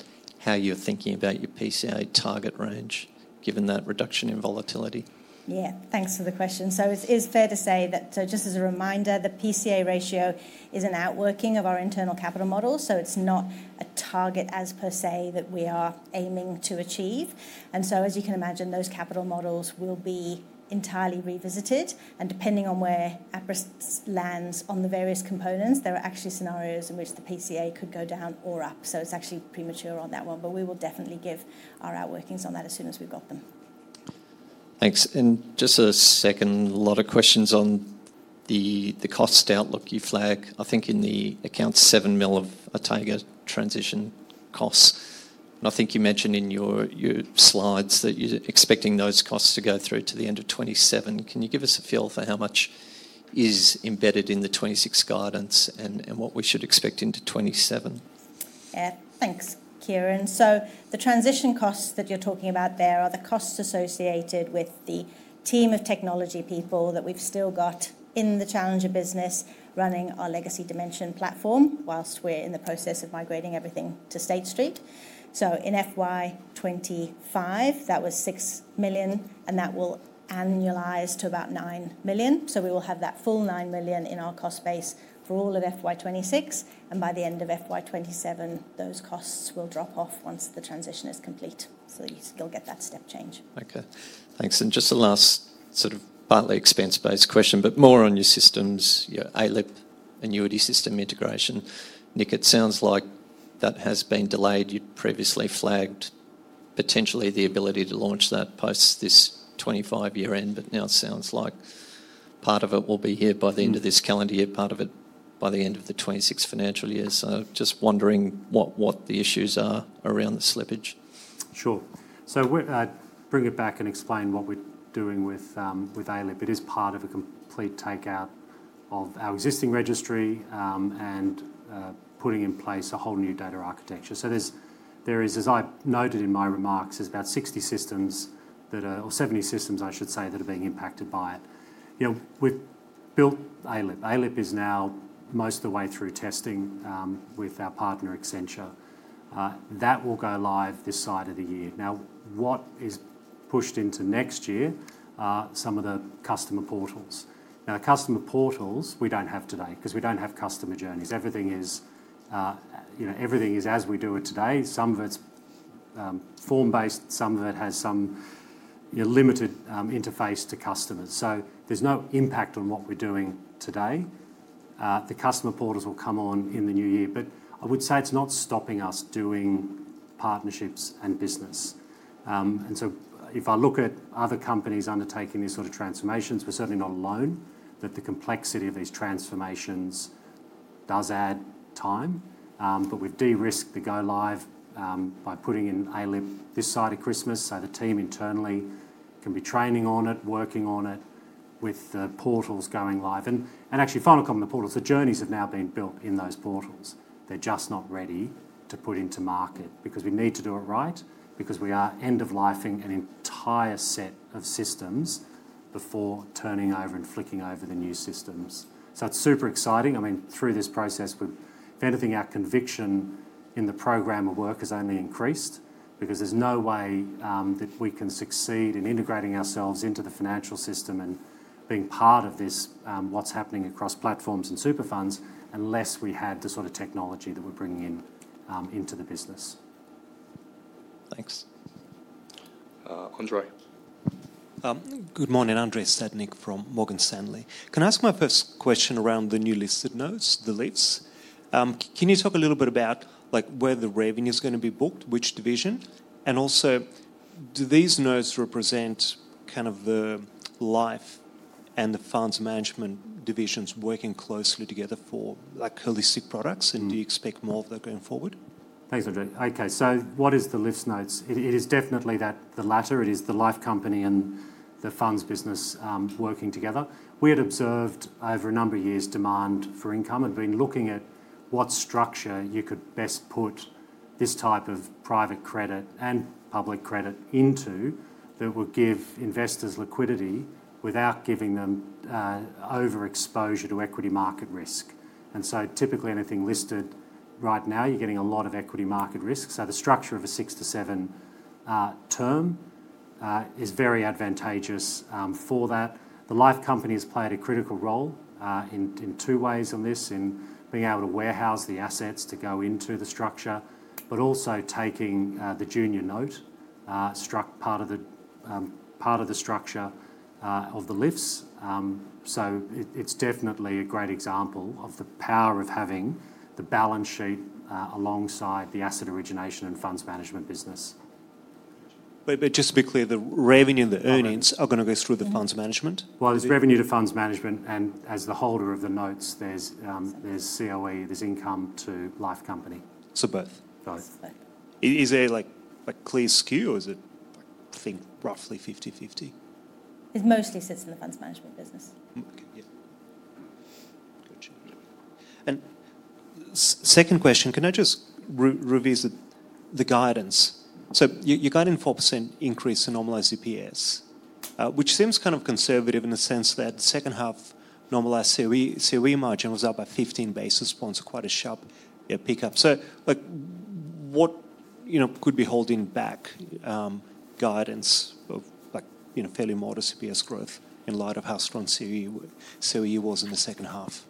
how you're thinking about your PCA target range given that reduction in volatility? Yeah, thanks for the question. It's fair to say that, just as a reminder, the PCA ratio is an outworking of our internal capital model. It's not a target per se that we are aiming to achieve. As you can imagine, those capital models will be entirely revisited. Depending on where APRA lands on the various components, there are actually scenarios in which the PCA could go down or up. It's actually premature on that one, but we will definitely give our outworkings on that as soon as we've got them. Thanks. Just a second, a lot of questions on the cost outlook you flag. I think in the account 7 million of a Tiger transition costs. I think you mentioned in your slides that you're expecting those costs to go through to the end of 2027. Can you give us a feel for how much is embedded in the 2026 guidance and what we should expect into 2027? Yeah, thanks, Kiran. The transition costs that you're talking about there are the costs associated with the team of technology people that we've still got in the Challenger business running our legacy Dimension platform whilst we're in the process of migrating everything to State Street. In FY 2025, that was 6 million, and that will annualize to about 9 million. We will have that full 9 million in our cost base for all of FY 2026. By the end of FY 2027, those costs will drop off once the transition is complete. You'll get that step change. Okay, thanks. Just a last sort of partly expense-based question, more on your systems, your ILIP annuity system integration. Nick, it sounds like that has been delayed. You'd previously flagged potentially the ability to launch that post this 2025 year end, but now it sounds like part of it will be here by the end of this calendar year, part of it by the end of the 2026 financial year. Just wondering what the issues are around the slippage. Sure. We're bringing it back and explaining what we're doing with ILIP. It is part of a complete takeout of our existing registry and putting in place a whole new data architecture. As I noted in my remarks, there's about 60 systems, or 70 systems, I should say, that are being impacted by it. We've built ILIP. ILIP is now most of the way through testing with our partner Accenture. That will go live this side of the year. What is pushed into next year are some of the customer portals. Customer portals we don't have today because we don't have customer journeys. Everything is as we do it today. Some of it's form-based, some of it has some limited interface to customers. There's no impact on what we're doing today. The customer portals will come on in the new year, but I would say it's not stopping us doing partnerships and business. If I look at other companies undertaking these sort of transformations, we're certainly not alone, that the complexity of these transformations does add time. We de-risk the go live by putting in ALIP this side of Christmas, so the team internally can be training on it, working on it with the portals going live. Final comment on the portals, the journeys have now been built in those portals. They're just not ready to put into market because we need to do it right because we are end-of-lifing an entire set of systems before turning over and flicking over the new systems. It's super exciting. Through this process, our conviction in the program of work has only increased because there's no way that we can succeed in integrating ourselves into the financial system and being part of what's happening across platforms and super funds unless we had the sort of technology that we're bringing into the business. Thanks. Andrei. Good morning, Andrei Stadnik from Morgan Stanley. Can I ask my first question around the new listed notes, the LiFTS 1 Notes? Can you talk a little bit about where the revenue is going to be booked, which division, and also do these notes represent kind of the life and the funds management divisions working closely together for holistic products, and do you expect more of that going forward? Thanks, Andrei. Okay, so what is the LiFTS 1 Notes? It is definitely that, the latter. It is the life company and the funds business working together. We had observed over a number of years' demand for income and been looking at what structure you could best put this type of private credit and public credit into that would give investors liquidity without giving them over-exposure to equity market risk. Typically, anything listed right now, you're getting a lot of equity market risk. The structure of a six to seven year term is very advantageous for that. The life company has played a critical role in two ways on this, in being able to warehouse the assets to go into the structure, but also taking the junior note part of the structure of the LiFTS 1 Notes. It's definitely a great example of the power of having the balance sheet alongside the asset origination and funds management business. Just to be clear, the revenue and the earnings are going to go through the funds management? There's revenue to funds management, and as the holder of the notes, there's COE, there's income to life company. So both? Both. Is there a clear skew, or is it, I think, roughly 50:50? It mostly sits in the funds management business. Okay, yeah. Gotcha. Can I just revisit the guidance? You're guiding a 4% increase in normalised EPS, which seems kind of conservative in the sense that second half normalised COE margin was up by 15 basis points, so quite a sharp pickup. What could be holding back guidance of fairly modest EPS growth in light of how strong COE was in the second half?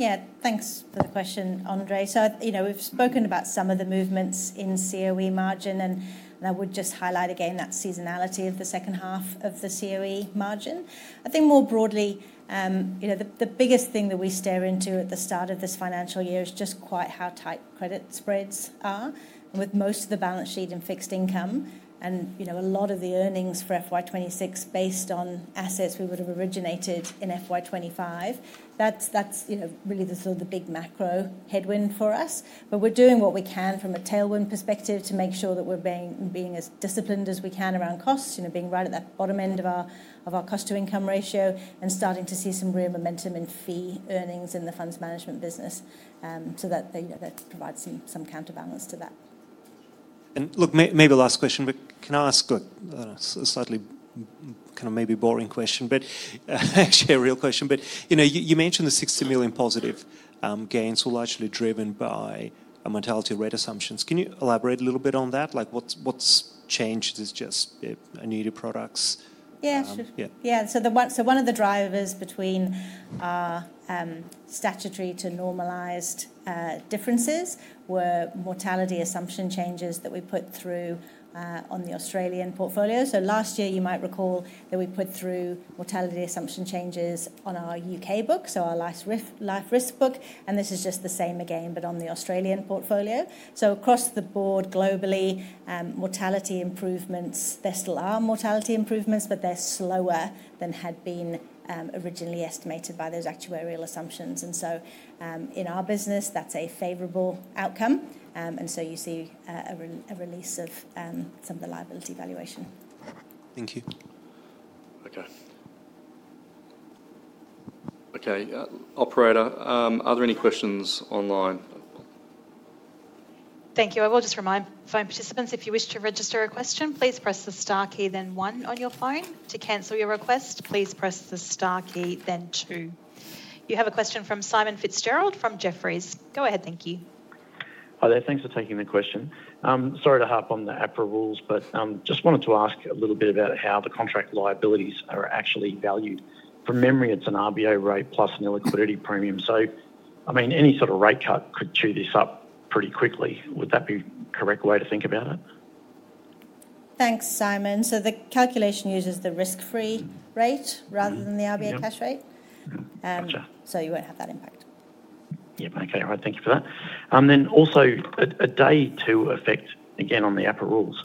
Yeah, thanks for the question, Andrei. We've spoken about some of the movements in COE margin, and I would just highlight again that seasonality of the second half of the COE margin. I think more broadly, the biggest thing that we stare into at the start of this financial year is just quite how tight credit spreads are, with most of the balance sheet in fixed income, and a lot of the earnings for FY 2026 based on assets we would have originated in FY 2025. That's really the sort of the big macro headwind for us. We're doing what we can from a tailwind perspective to make sure that we're being as disciplined as we can around costs, being right at that bottom end of our cost-to-income ratio and starting to see some real momentum in fee earnings in the funds management business so that they provide some counterbalance to that. Maybe the last question, but can I ask a slightly kind of maybe boring question, but actually a real question? You mentioned the 60 million positive gains were largely driven by a mentality of rate assumptions. Can you elaborate a little bit on that? What's changed? Is it just annuity products? Yeah, sure. One of the drivers between statutory to normalised differences were mortality assumption changes that we put through on the Australian portfolio. Last year, you might recall that we put through mortality assumption changes on our U.K. book, so our life risk book, and this is just the same again, but on the Australian portfolio. Across the board globally, there still are mortality improvements, but they're slower than had been originally estimated by those actuarial assumptions. In our business, that's a favorable outcome, and you see a release of some of the liability valuation. Thank you. Okay. Operator, are there any questions online? Thank you. I will just remind phone participants, if you wish to register a question, please press the star key, then one on your phone. To cancel your request, please press the star key, then two. You have a question from Simon Fitzgerald from Jefferies. Go ahead, thank you. Hi there, thanks for taking the question. Sorry to harp on the APRA rules, but just wanted to ask a little bit about how the contract liabilities are actually valued. From memory, it's an RBO rate plus an illiquidity premium. I mean, any sort of rate cut could chew this up pretty quickly. Would that be the correct way to think about it? Thanks, Simon. The calculation uses the risk-free rate rather than the RBA cash rate, so you won't have that impact. Okay, all right, thank you for that. Also, a day two effect, again on the APRA rules.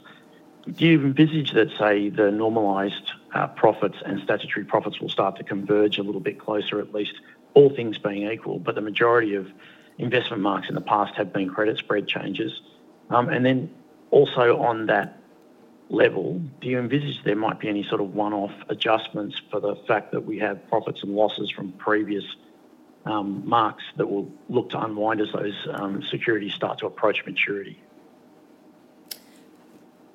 Do you envisage that, say, the normalised profits and statutory profits will start to converge a little bit closer, at least all things being equal, but the majority of investment marks in the past have been credit spread changes? Also, on that level, do you envisage there might be any sort of one-off adjustments for the fact that we have profits and losses from previous marks that will look to unwind as those securities start to approach maturity?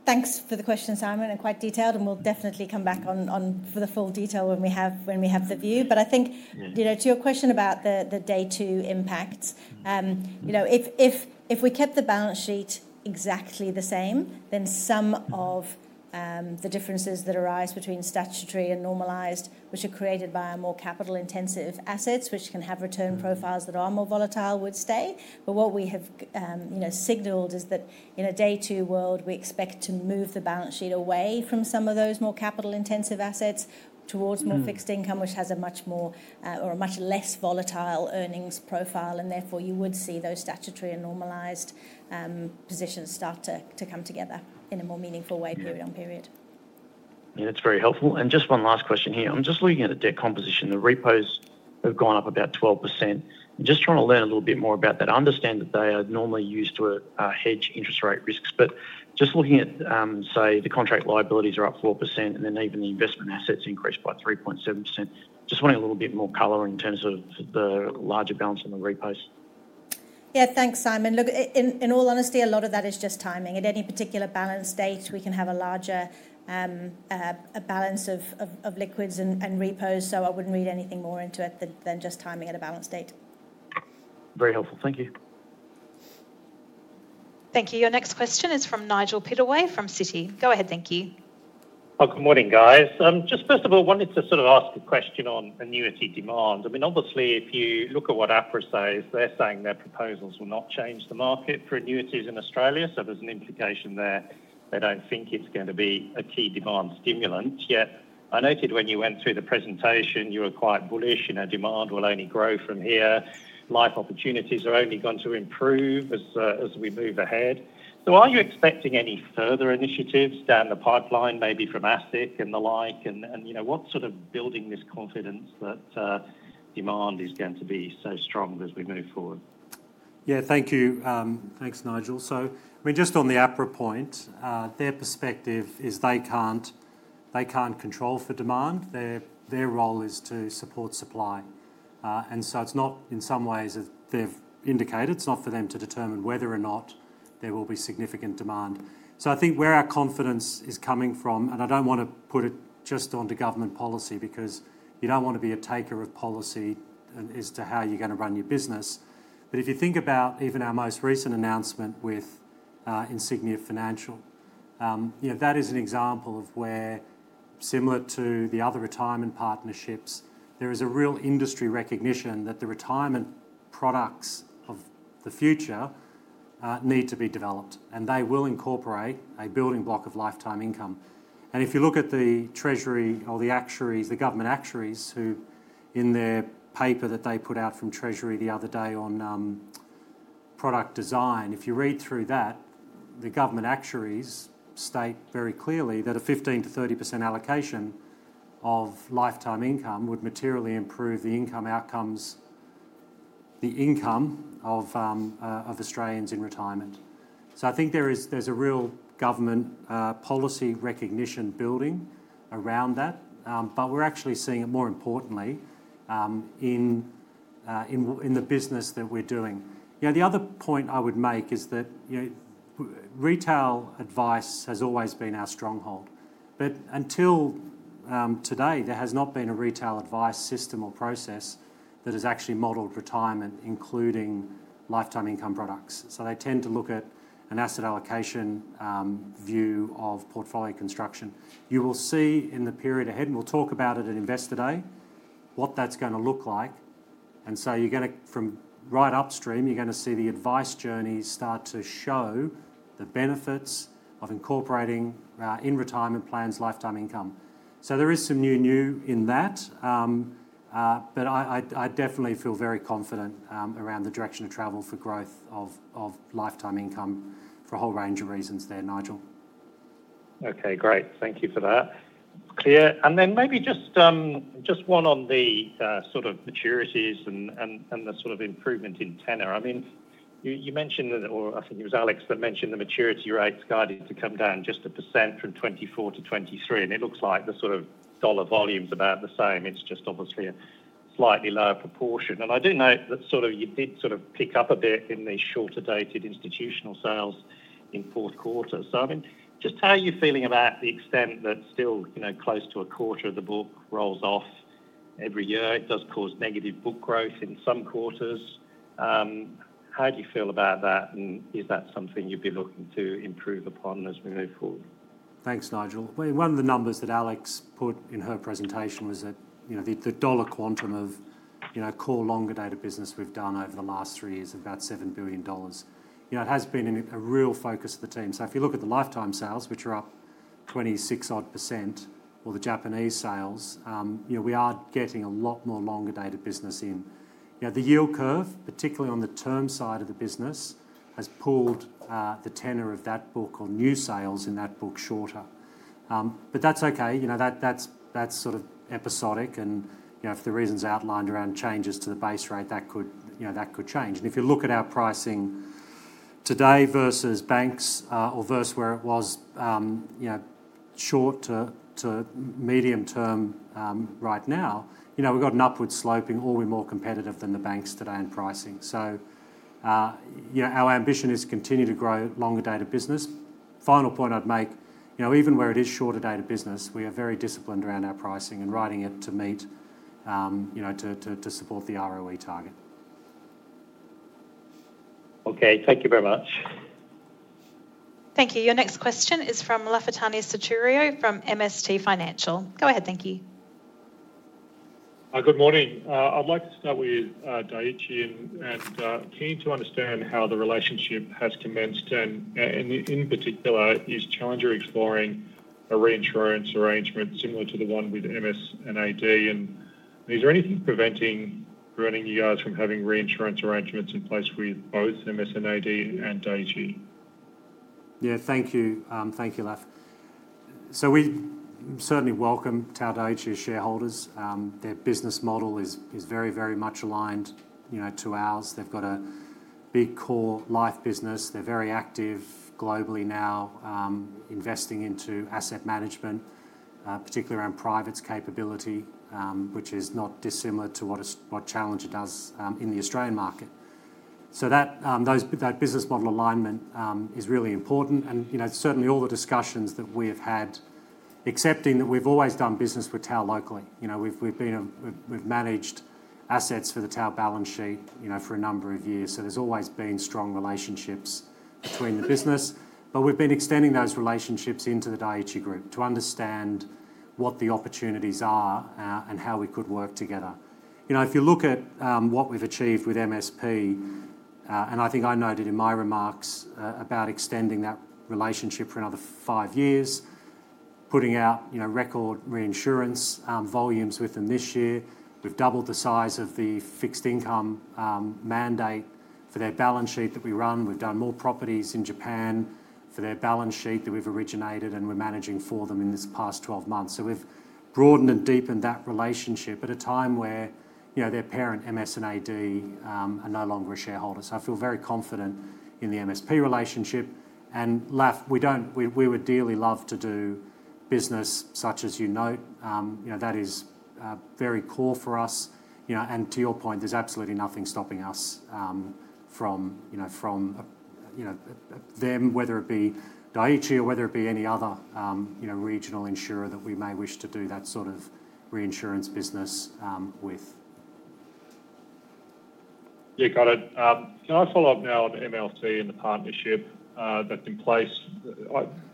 Thanks for the question, Simon, and quite detailed, and we'll definitely come back on for the full detail when we have the view. I think, you know, to your question about the day two impacts, if we kept the balance sheet exactly the same, then some of the differences that arise between statutory and normalised, which are created by our more capital-intensive assets, which can have return profiles that are more volatile, would stay. What we have signaled is that in a day-two world, we expect to move the balance sheet away from some of those more capital-intensive assets towards more fixed income, which has a much less volatile earnings profile. Therefore, you would see those statutory and normalised positions start to come together in a more meaningful way period on period. Yeah, that's very helpful. Just one last question here. I'm just looking at a debt composition. The repos have gone up about 12%. Just trying to learn a little bit more about that. I understand that they are normally used to hedge interest rate risks, but just looking at, say, the contract liabilities are up 4% and then even the investment assets increased by 3.7%. Just wanting a little bit more color in terms of the larger balance and the repos. Thanks, Simon. In all honesty, a lot of that is just timing. At any particular balance date, we can have a larger balance of liquids and repos. I wouldn't read anything more into it than just timing at a balance date. Very helpful, thank you. Thank you. Your next question is from Nigel Pittaway from Citi. Go ahead, thank you. Good morning, guys. First of all, I wanted to ask a question on annuity demand. Obviously, if you look at what APRA says, they're saying their proposals will not change the market for annuities in Australia. There's an implication there. They don't think it's going to be a key demand stimulant. Yet, I noted when you went through the presentation, you were quite bullish, you know, demand will only grow from here. Life opportunities are only going to improve as we move ahead. Are you expecting any further initiatives down the pipeline, maybe from ASIC and the like, and what's building this confidence that demand is going to be so strong as we move forward? Thank you. Thanks, Nigel. On the APRA point, their perspective is they can't control for demand. Their role is to support supply. It's not, in some ways, as they've indicated, for them to determine whether or not there will be significant demand. I think where our confidence is coming from, and I don't want to put it just onto government policy because you don't want to be a taker of policy as to how you're going to run your business. If you think about even our most recent announcement with Insignia Financial, that is an example of where, similar to the other retirement partnerships, there is a real industry recognition that the retirement products of the future need to be developed, and they will incorporate a building block of lifetime income. If you look at the Treasury or the government actuaries, who, in their paper that they put out from Treasury the other day on product design, if you read through that, the government actuaries state very clearly that a 15% to 30% allocation of lifetime income would materially improve the income outcomes, the income of Australians in retirement. I think there's a real government policy recognition building around that, but we're actually seeing it more importantly in the business that we're doing. The other point I would make is that retail advice has always been our stronghold. Until today, there has not been a retail advice system or process that has actually modeled retirement, including lifetime income products. They tend to look at an asset allocation view of portfolio construction. You will see in the period ahead, and we'll talk about it at Investor Day, what that's going to look like. From right upstream, you're going to see the advice journeys start to show the benefits of incorporating in retirement plans lifetime income. There is some new new in that, but I definitely feel very confident around the direction of travel for growth of lifetime income for a whole range of reasons there, Nigel. Okay, great. Thank you for that. Clear. Maybe just one on the sort of maturities and the sort of improvement in tenor. You mentioned that, or I think it was Alex that mentioned the maturity rates guided to come down just 1% from 2024 to 2023. It looks like the sort of seller volume's about the same. It's just obviously a slightly lower proportion. I do note that you did pick up a bit in the shorter dated institutional sales in the fourth quarter. How are you feeling about the extent that still, you know, close to a quarter of the book rolls off every year? It does cause negative book growth in some quarters. How do you feel about that, and is that something you'd be looking to improve upon as we move forward? Thanks, Nigel. One of the numbers that Alex put in her presentation was that the dollar quantum of core longer dated business we've done over the last three years is about 7 billion dollars. It has been a real focus of the team. If you look at the lifetime sales, which are up 26%, or the Japanese sales, we are getting a lot more longer dated business in. The yield curve, particularly on the term side of the business, has pulled the tenor of that book or new sales in that book shorter. That's okay. That's sort of episodic, and if the reasons outlined around changes to the base rate, that could change. If you look at our pricing today versus banks or versus where it was, short to medium term right now, we've got an upward sloping, all we're more competitive than the banks today in pricing. Our ambition is to continue to grow longer dated business. Final point I'd make, even where it is shorter dated business, we are very disciplined around our pricing and writing it to meet, to support the ROE target. Okay, thank you very much. Thank you. Your next question is from Lafitani Sotiriou from MST Financial. Go ahead, thank you. Good morning. I'd like to start with Dai-ichi and asked, keen to understand how the relationship has commenced, and in particular, is Challenger exploring a reinsurance arrangement similar to the one with MS&AD? Is there anything preventing you guys from having reinsurance arrangements in place with both MS&AD and Dai-ichi? Thank you, Leif. We certainly welcome Dai-ichi's shareholders. Their business model is very much aligned to ours. They've got a big core life business. They're very active globally now, investing into asset management, particularly around private's capability, which is not dissimilar to what Challenger does in the Australian market. That business model alignment is really important. Certainly, all the discussions that we have had, accepting that we've always done business with Dai-ichi locally, we've managed assets for the Dai-ichi balance sheet for a number of years. There have always been strong relationships between the business. We've been extending those relationships into the Dai-ichi Group to understand what the opportunities are and how we could work together. If you look at what we've achieved with Mitsui Sumitomo Primary Life, and I think I noted in my remarks about extending that relationship for another five years, putting out record reinsurance volumes with them this year. We've doubled the size of the fixed income mandate for their balance sheet that we run. We've done more properties in Japan for their balance sheet that we've originated and we're managing for them in this past 12 months. We've broadened and deepened that relationship at a time where their parent, MS&AD, are no longer a shareholder. I feel very confident in the Mitsui Sumitomo Primary Life relationship. Leif, we would dearly love to do business such as you note. That is very core for us. To your point, there's absolutely nothing stopping us from them, whether it be Dai-ichi or whether it be any other regional insurer that we may wish to do that sort of reinsurance business with. Got it. Can I follow up now on the MLC and the partnership that's in place?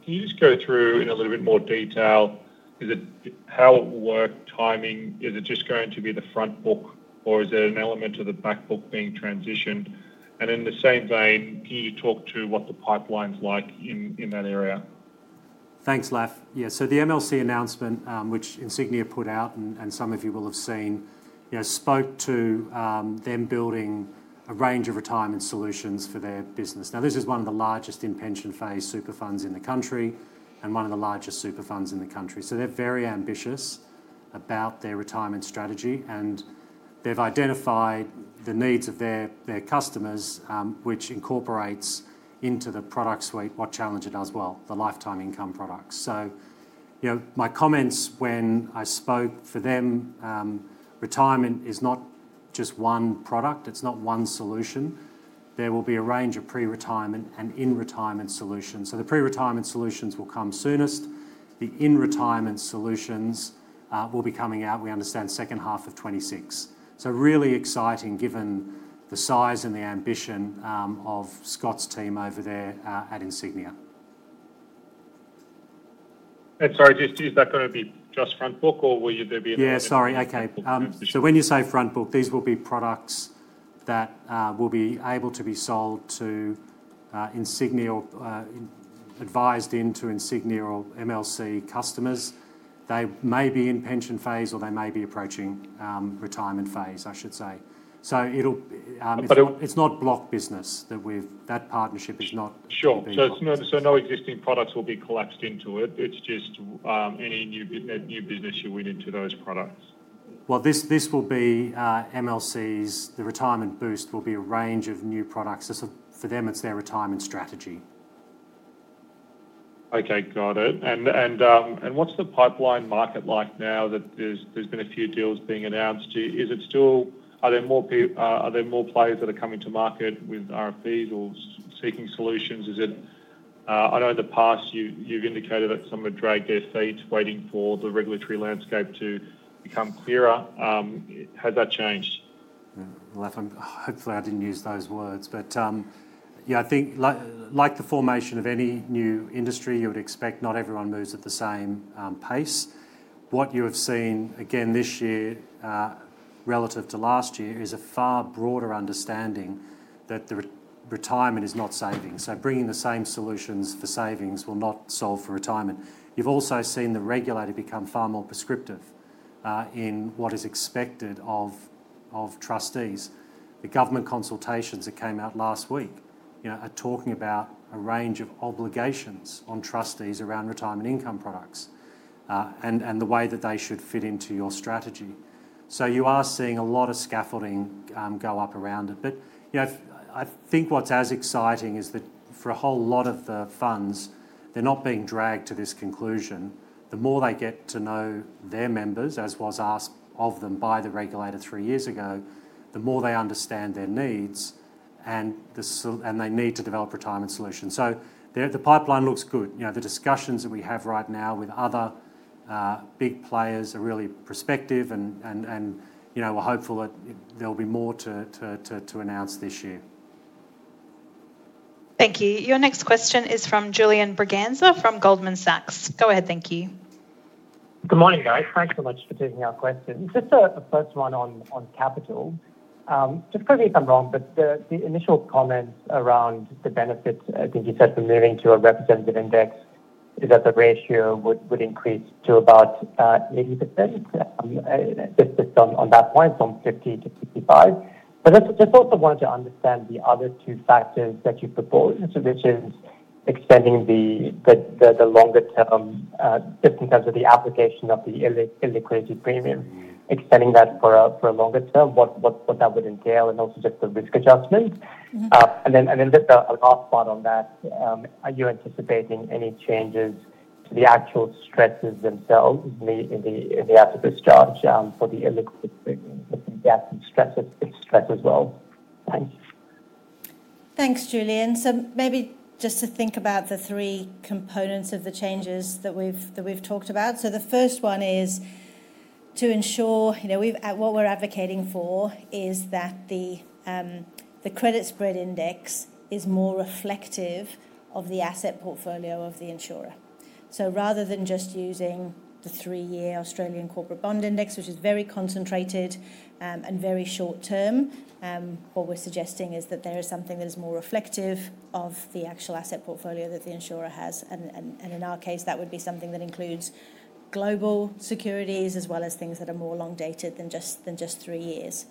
Can you just go through in a little bit more detail? Is it how it will work, timing? Is it just going to be the front book, or is there an element of the back book being transitioned? In the same vein, can you talk to what the pipeline's like in that area? Thanks, Leif. Yeah, so the MLC announcement, which Insignia Financial put out and some of you will have seen, spoke to them building a range of retirement solutions for their business. This is one of the largest in-pension phase super funds in the country and one of the largest super funds in the country. They're very ambitious about their retirement strategy, and they've identified the needs of their customers, which incorporates into the product suite what Challenger does well, the lifetime income products. My comments when I spoke for them, retirement is not just one product. It's not one solution. There will be a range of pre-retirement and in-retirement solutions. The pre-retirement solutions will come soonest. The in-retirement solutions will be coming out, we understand, second half of 2026. Really exciting given the size and the ambition of Scott's team over there at Insignia Financial. Sorry, is that going to be just front book, or will there be? Okay. When you say front book, these will be products that will be able to be sold to Insignia or advised into Insignia or MLC customers. They may be in-pension phase, or they may be approaching retirement phase, I should say. It'll, it's not block business. That partnership is not. Sure. No existing products will be collapsed into it. It's just any new business you went into those products. This will be MLCs. The retirement boost will be a range of new products. For them, it's their retirement strategy. Okay, got it. What's the pipeline market like now that there's been a few deals being announced? Are there more players that are coming to market with RFPs or seeking solutions? I know in the past you've indicated that some have dragged their feet waiting for the regulatory landscape to become clearer. Has that changed? Hopefully I didn't use those words, but yeah, I think like the formation of any new industry, you would expect not everyone moves at the same pace. What you have seen again this year relative to last year is a far broader understanding that the retirement is not saving. Bringing the same solutions for savings will not solve for retirement. You've also seen the regulator become far more prescriptive in what is expected of trustees. The government consultations that came out last week are talking about a range of obligations on trustees around retirement income products and the way that they should fit into your strategy. You are seeing a lot of scaffolding go up around it. I think what's as exciting is that for a whole lot of the funds, they're not being dragged to this conclusion. The more they get to know their members, as was asked of them by the regulator three years ago, the more they understand their needs and they need to develop retirement solutions. The pipeline looks good. The discussions that we have right now with other big players are really prospective and we're hopeful that there'll be more to announce this year. Thank you. Your next question is from Julian Braganza from Goldman Sachs. Go ahead, thank you. Good morning, guys. Thanks so much for taking our questions. The first one on capital. Just correct me if I'm wrong, but the initial comment around the benefits, I think you said from moving to a representative index, is that the ratio would increase to about 80%. Just on that point, from 50-55. I just also wanted to understand the other two factors that you proposed, which is extending the longer term, just in terms of the application of the illiquidity premium, extending that for a longer term, what that would entail, and also just the risk adjustments. The last part on that, are you anticipating any changes to the actual stresses themselves in the additive charge for the illiquidity gas and stress as well? Thanks. Thanks, Julian. Maybe just to think about the three components of the changes that we've talked about. The first one is to ensure, you know, what we're advocating for is that the credit spread index is more reflective of the asset portfolio of the insurer. Rather than just using the three-year Australian corporate bond index, which is very concentrated and very short-term, what we're suggesting is that there is something that is more reflective of the actual asset portfolio that the insurer has. In our case, that would be something that includes global securities as well as things that are more long-dated than just three years.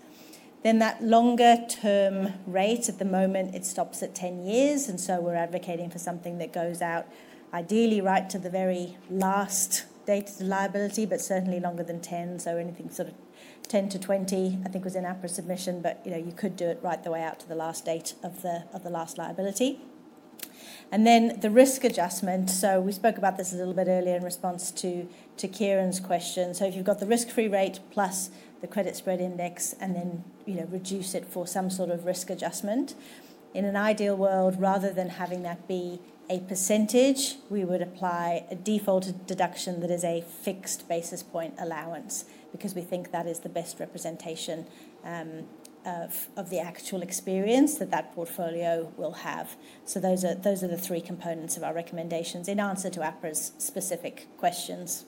That longer-term rate at the moment stops at 10 years. We're advocating for something that goes out ideally right to the very last date of the liability, but certainly longer than 10. Anything sort of 10-20, I think was in our pre-submission, but you know, you could do it right the way out to the last date of the last liability. The risk adjustment, we spoke about this a little bit earlier in response to Kieran's question. If you've got the risk-free rate plus the credit spread index and then, you know, reduce it for some sort of risk adjustment, in an ideal world, rather than having that be a percentage, we would apply a defaulted deduction that is a fixed basis point allowance because we think that is the best representation of the actual experience that that portfolio will have. Those are the three components of our recommendations in answer to APRA's specific questions.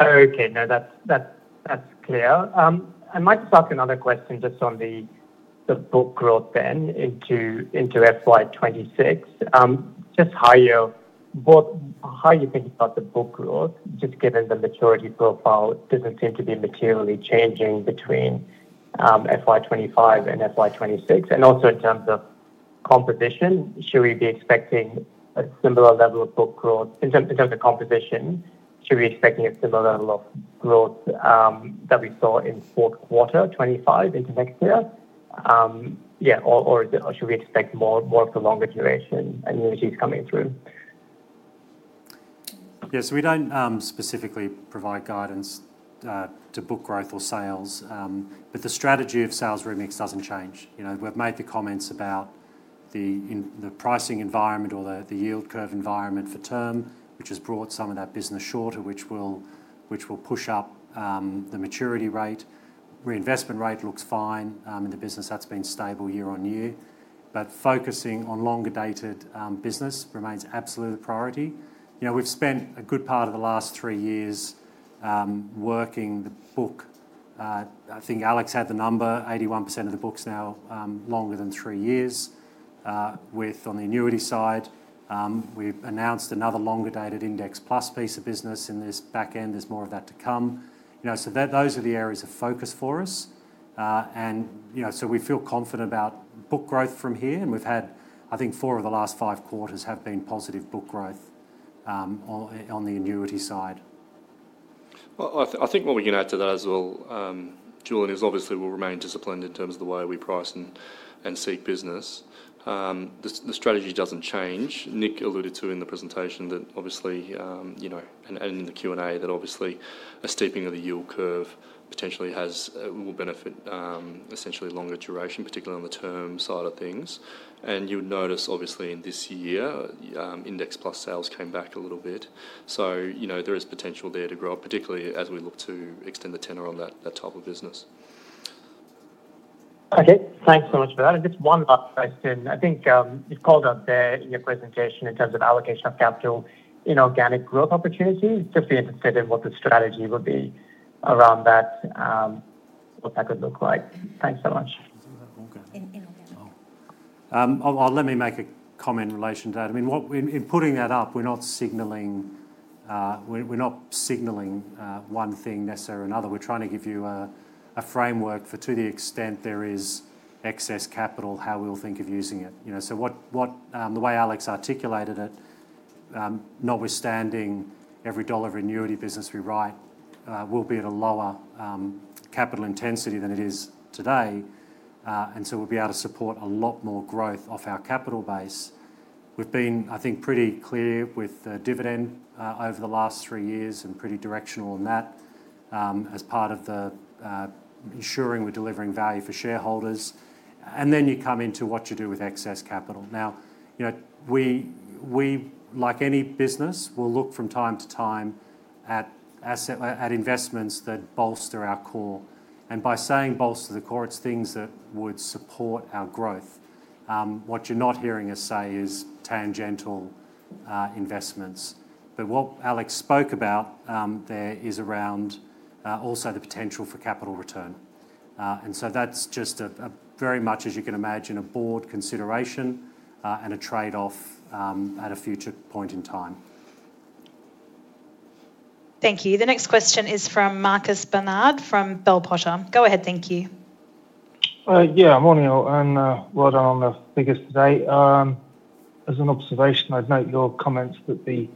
Okay, now that's clear. I might just ask another question just on the book growth then into FY 2026. Just how you think about the book growth, just given the maturity profile doesn't seem to be materially changing between FY 2025 and FY 2026. Also, in terms of composition, should we be expecting a similar level of book growth in terms of composition? Should we be expecting a similar level of growth that we saw in fourth quarter 2025 in the next year? Yeah, or should we expect more of the longer duration and the annuities coming through? Yeah, so we don't specifically provide guidance to book growth or sales, but the strategy of sales remix doesn't change. We've made the comments about the pricing environment or the yield curve environment for term, which has brought some of that business shorter, which will push up the maturity rate. Reinvestment rate looks fine in the business. That's been stable year on year, but focusing on longer-dated business remains absolutely a priority. We've spent a good part of the last three years working the book. I think Alex had the number, 81% of the book's now longer than three years. On the annuity side, we announced another longer-dated index plus piece of business in this back end. There's more of that to come. Those are the areas of focus for us. We feel confident about book growth from here, and we've had, I think, four of the last five quarters have been positive book growth on the annuity side. I think what we can add to that as well, Julian, is obviously we'll remain disciplined in terms of the way we price and seek business. The strategy doesn't change. Nick alluded to in the presentation that, obviously, you know, and in the Q&A that a steeping of the yield curve potentially will benefit essentially longer duration, particularly on the term side of things. You would notice, obviously, in this year, index plus sales came back a little bit. There is potential there to grow, particularly as we look to extend the tenor on that type of business. Okay, thanks so much for that. Just one last question. I think you've called out there in your presentation in terms of allocation of capital in organic growth opportunities. Just be interested in what the strategy would be around that, what that could look like. Thanks so much. Let me make a comment in relation to that. In putting that up, we're not signaling one thing necessarily or another. We're trying to give you a framework for to the extent there is excess capital, how we'll think of using it. The way Alex articulated it, notwithstanding every dollar of annuity business we write, we'll be at a lower capital intensity than it is today, and we'll be able to support a lot more growth off our capital base. We've been, I think, pretty clear with the dividend over the last three years and pretty directional on that as part of ensuring we're delivering value for shareholders. You come into what you do with excess capital. We, like any business, will look from time to time at investments that bolster our core. By saying bolster the core, it's things that would support our growth. What you're not hearing us say is tangential investments. What Alex spoke about there is around also the potential for capital return, and that's just very much, as you can imagine, a board consideration and a trade-off at a future point in time. Thank you. The next question is from Marcus Barnard from Bell Potter. Go ahead, thank you. Yeah, morning and well done on the figures today. As an observation, I'd note your comments that the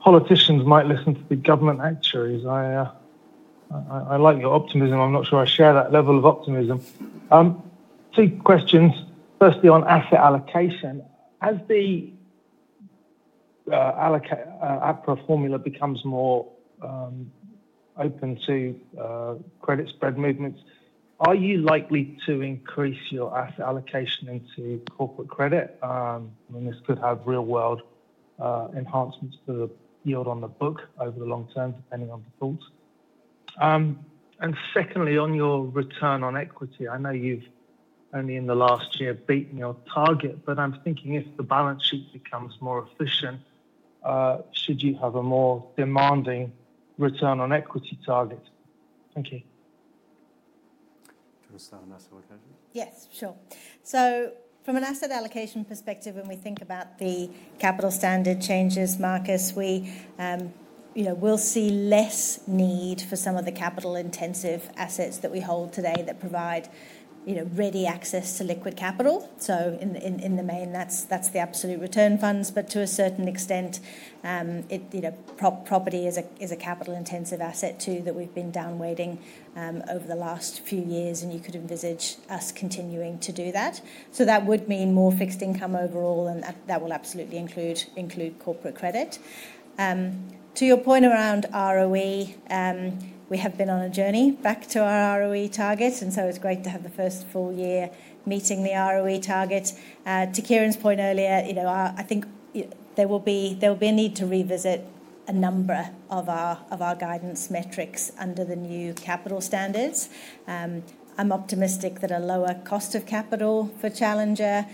politicians might listen to the government actuaries. I like your optimism. I'm not sure I share that level of optimism. Two questions. Firstly, on asset allocation, as the APRA formula becomes more open to credit spread movements, are you likely to increase your asset allocation into corporate credit? This could have real-world enhancements to the yield on the book over the long term, depending on the thought. Secondly, on your return on equity, I know you've only in the last year beaten your target, but I'm thinking if the balance sheet becomes more efficient, should you have a more demanding return on equity target? Thank you. To start, yes, sure. From an asset allocation perspective, when we think about the capital standard changes, Marcus, we'll see less need for some of the capital-intensive assets that we hold today that provide, you know, ready access to liquid capital. In the main, that's the absolute return funds. To a certain extent, you know, property is a capital-intensive asset too that we've been downweighting over the last few years, and you could envisage us continuing to do that. That would mean more fixed income overall, and that will absolutely include corporate credit. To your point around ROE, we have been on a journey back to our ROE targets, and it's great to have the first full year meeting the ROE target. To Kieren's point earlier, you know, I think there will be a need to revisit a number of our guidance metrics under the new capital standards. I'm optimistic that a lower cost of capital for Challenger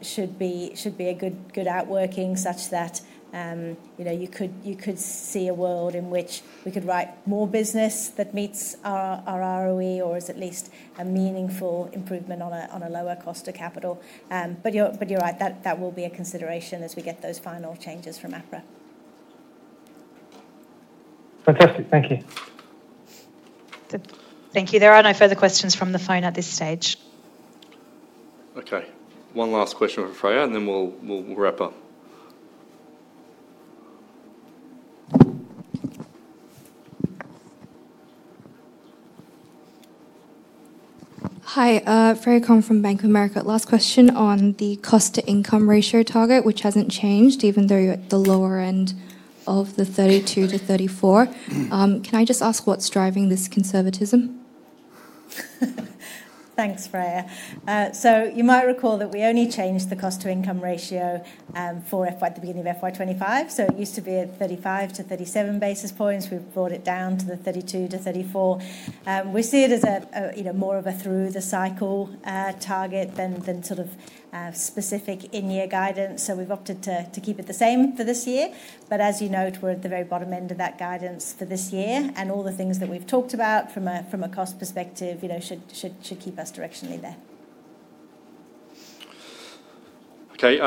should be a good outworking such that, you know, you could see a world in which we could write more business that meets our ROE or is at least a meaningful improvement on a lower cost of capital. You're right, that will be a consideration as we get those final changes from APRA. Fantastic, thank you. Thank you. There are no further questions from the phone at this stage. Okay, one last question from Freya, and then we'll wrap up. Hi, Freya Khan from Bank of America. Last question on the cost-to-income ratio target, which hasn't changed even though you're at the lower end of the 32-34%. Can I just ask what's driving this conservatism? Thanks, Freya. You might recall that we only changed the cost-to-income ratio at the beginning of FY 2025. It used to be at 35-37 basis points. We've brought it down to the 32-34. We see it as more of a through-the-cycle target than sort of specific in-year guidance. We've opted to keep it the same for this year. As you note, we're at the very bottom end of that guidance for this year, and all the things that we've talked about from a cost perspective should keep us directionally there. Okay,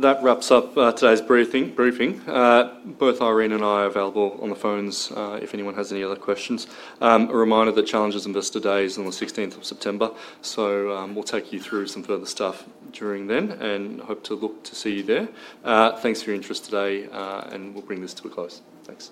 that wraps up today's briefing. Both Irene and I are available on the phones if anyone has any other questions. A reminder that Challenger's Investor Day is on the 16th of September. We'll take you through some further stuff during then and hope to look to see you there. Thanks for your interest today, and we'll bring this to a close. Thanks.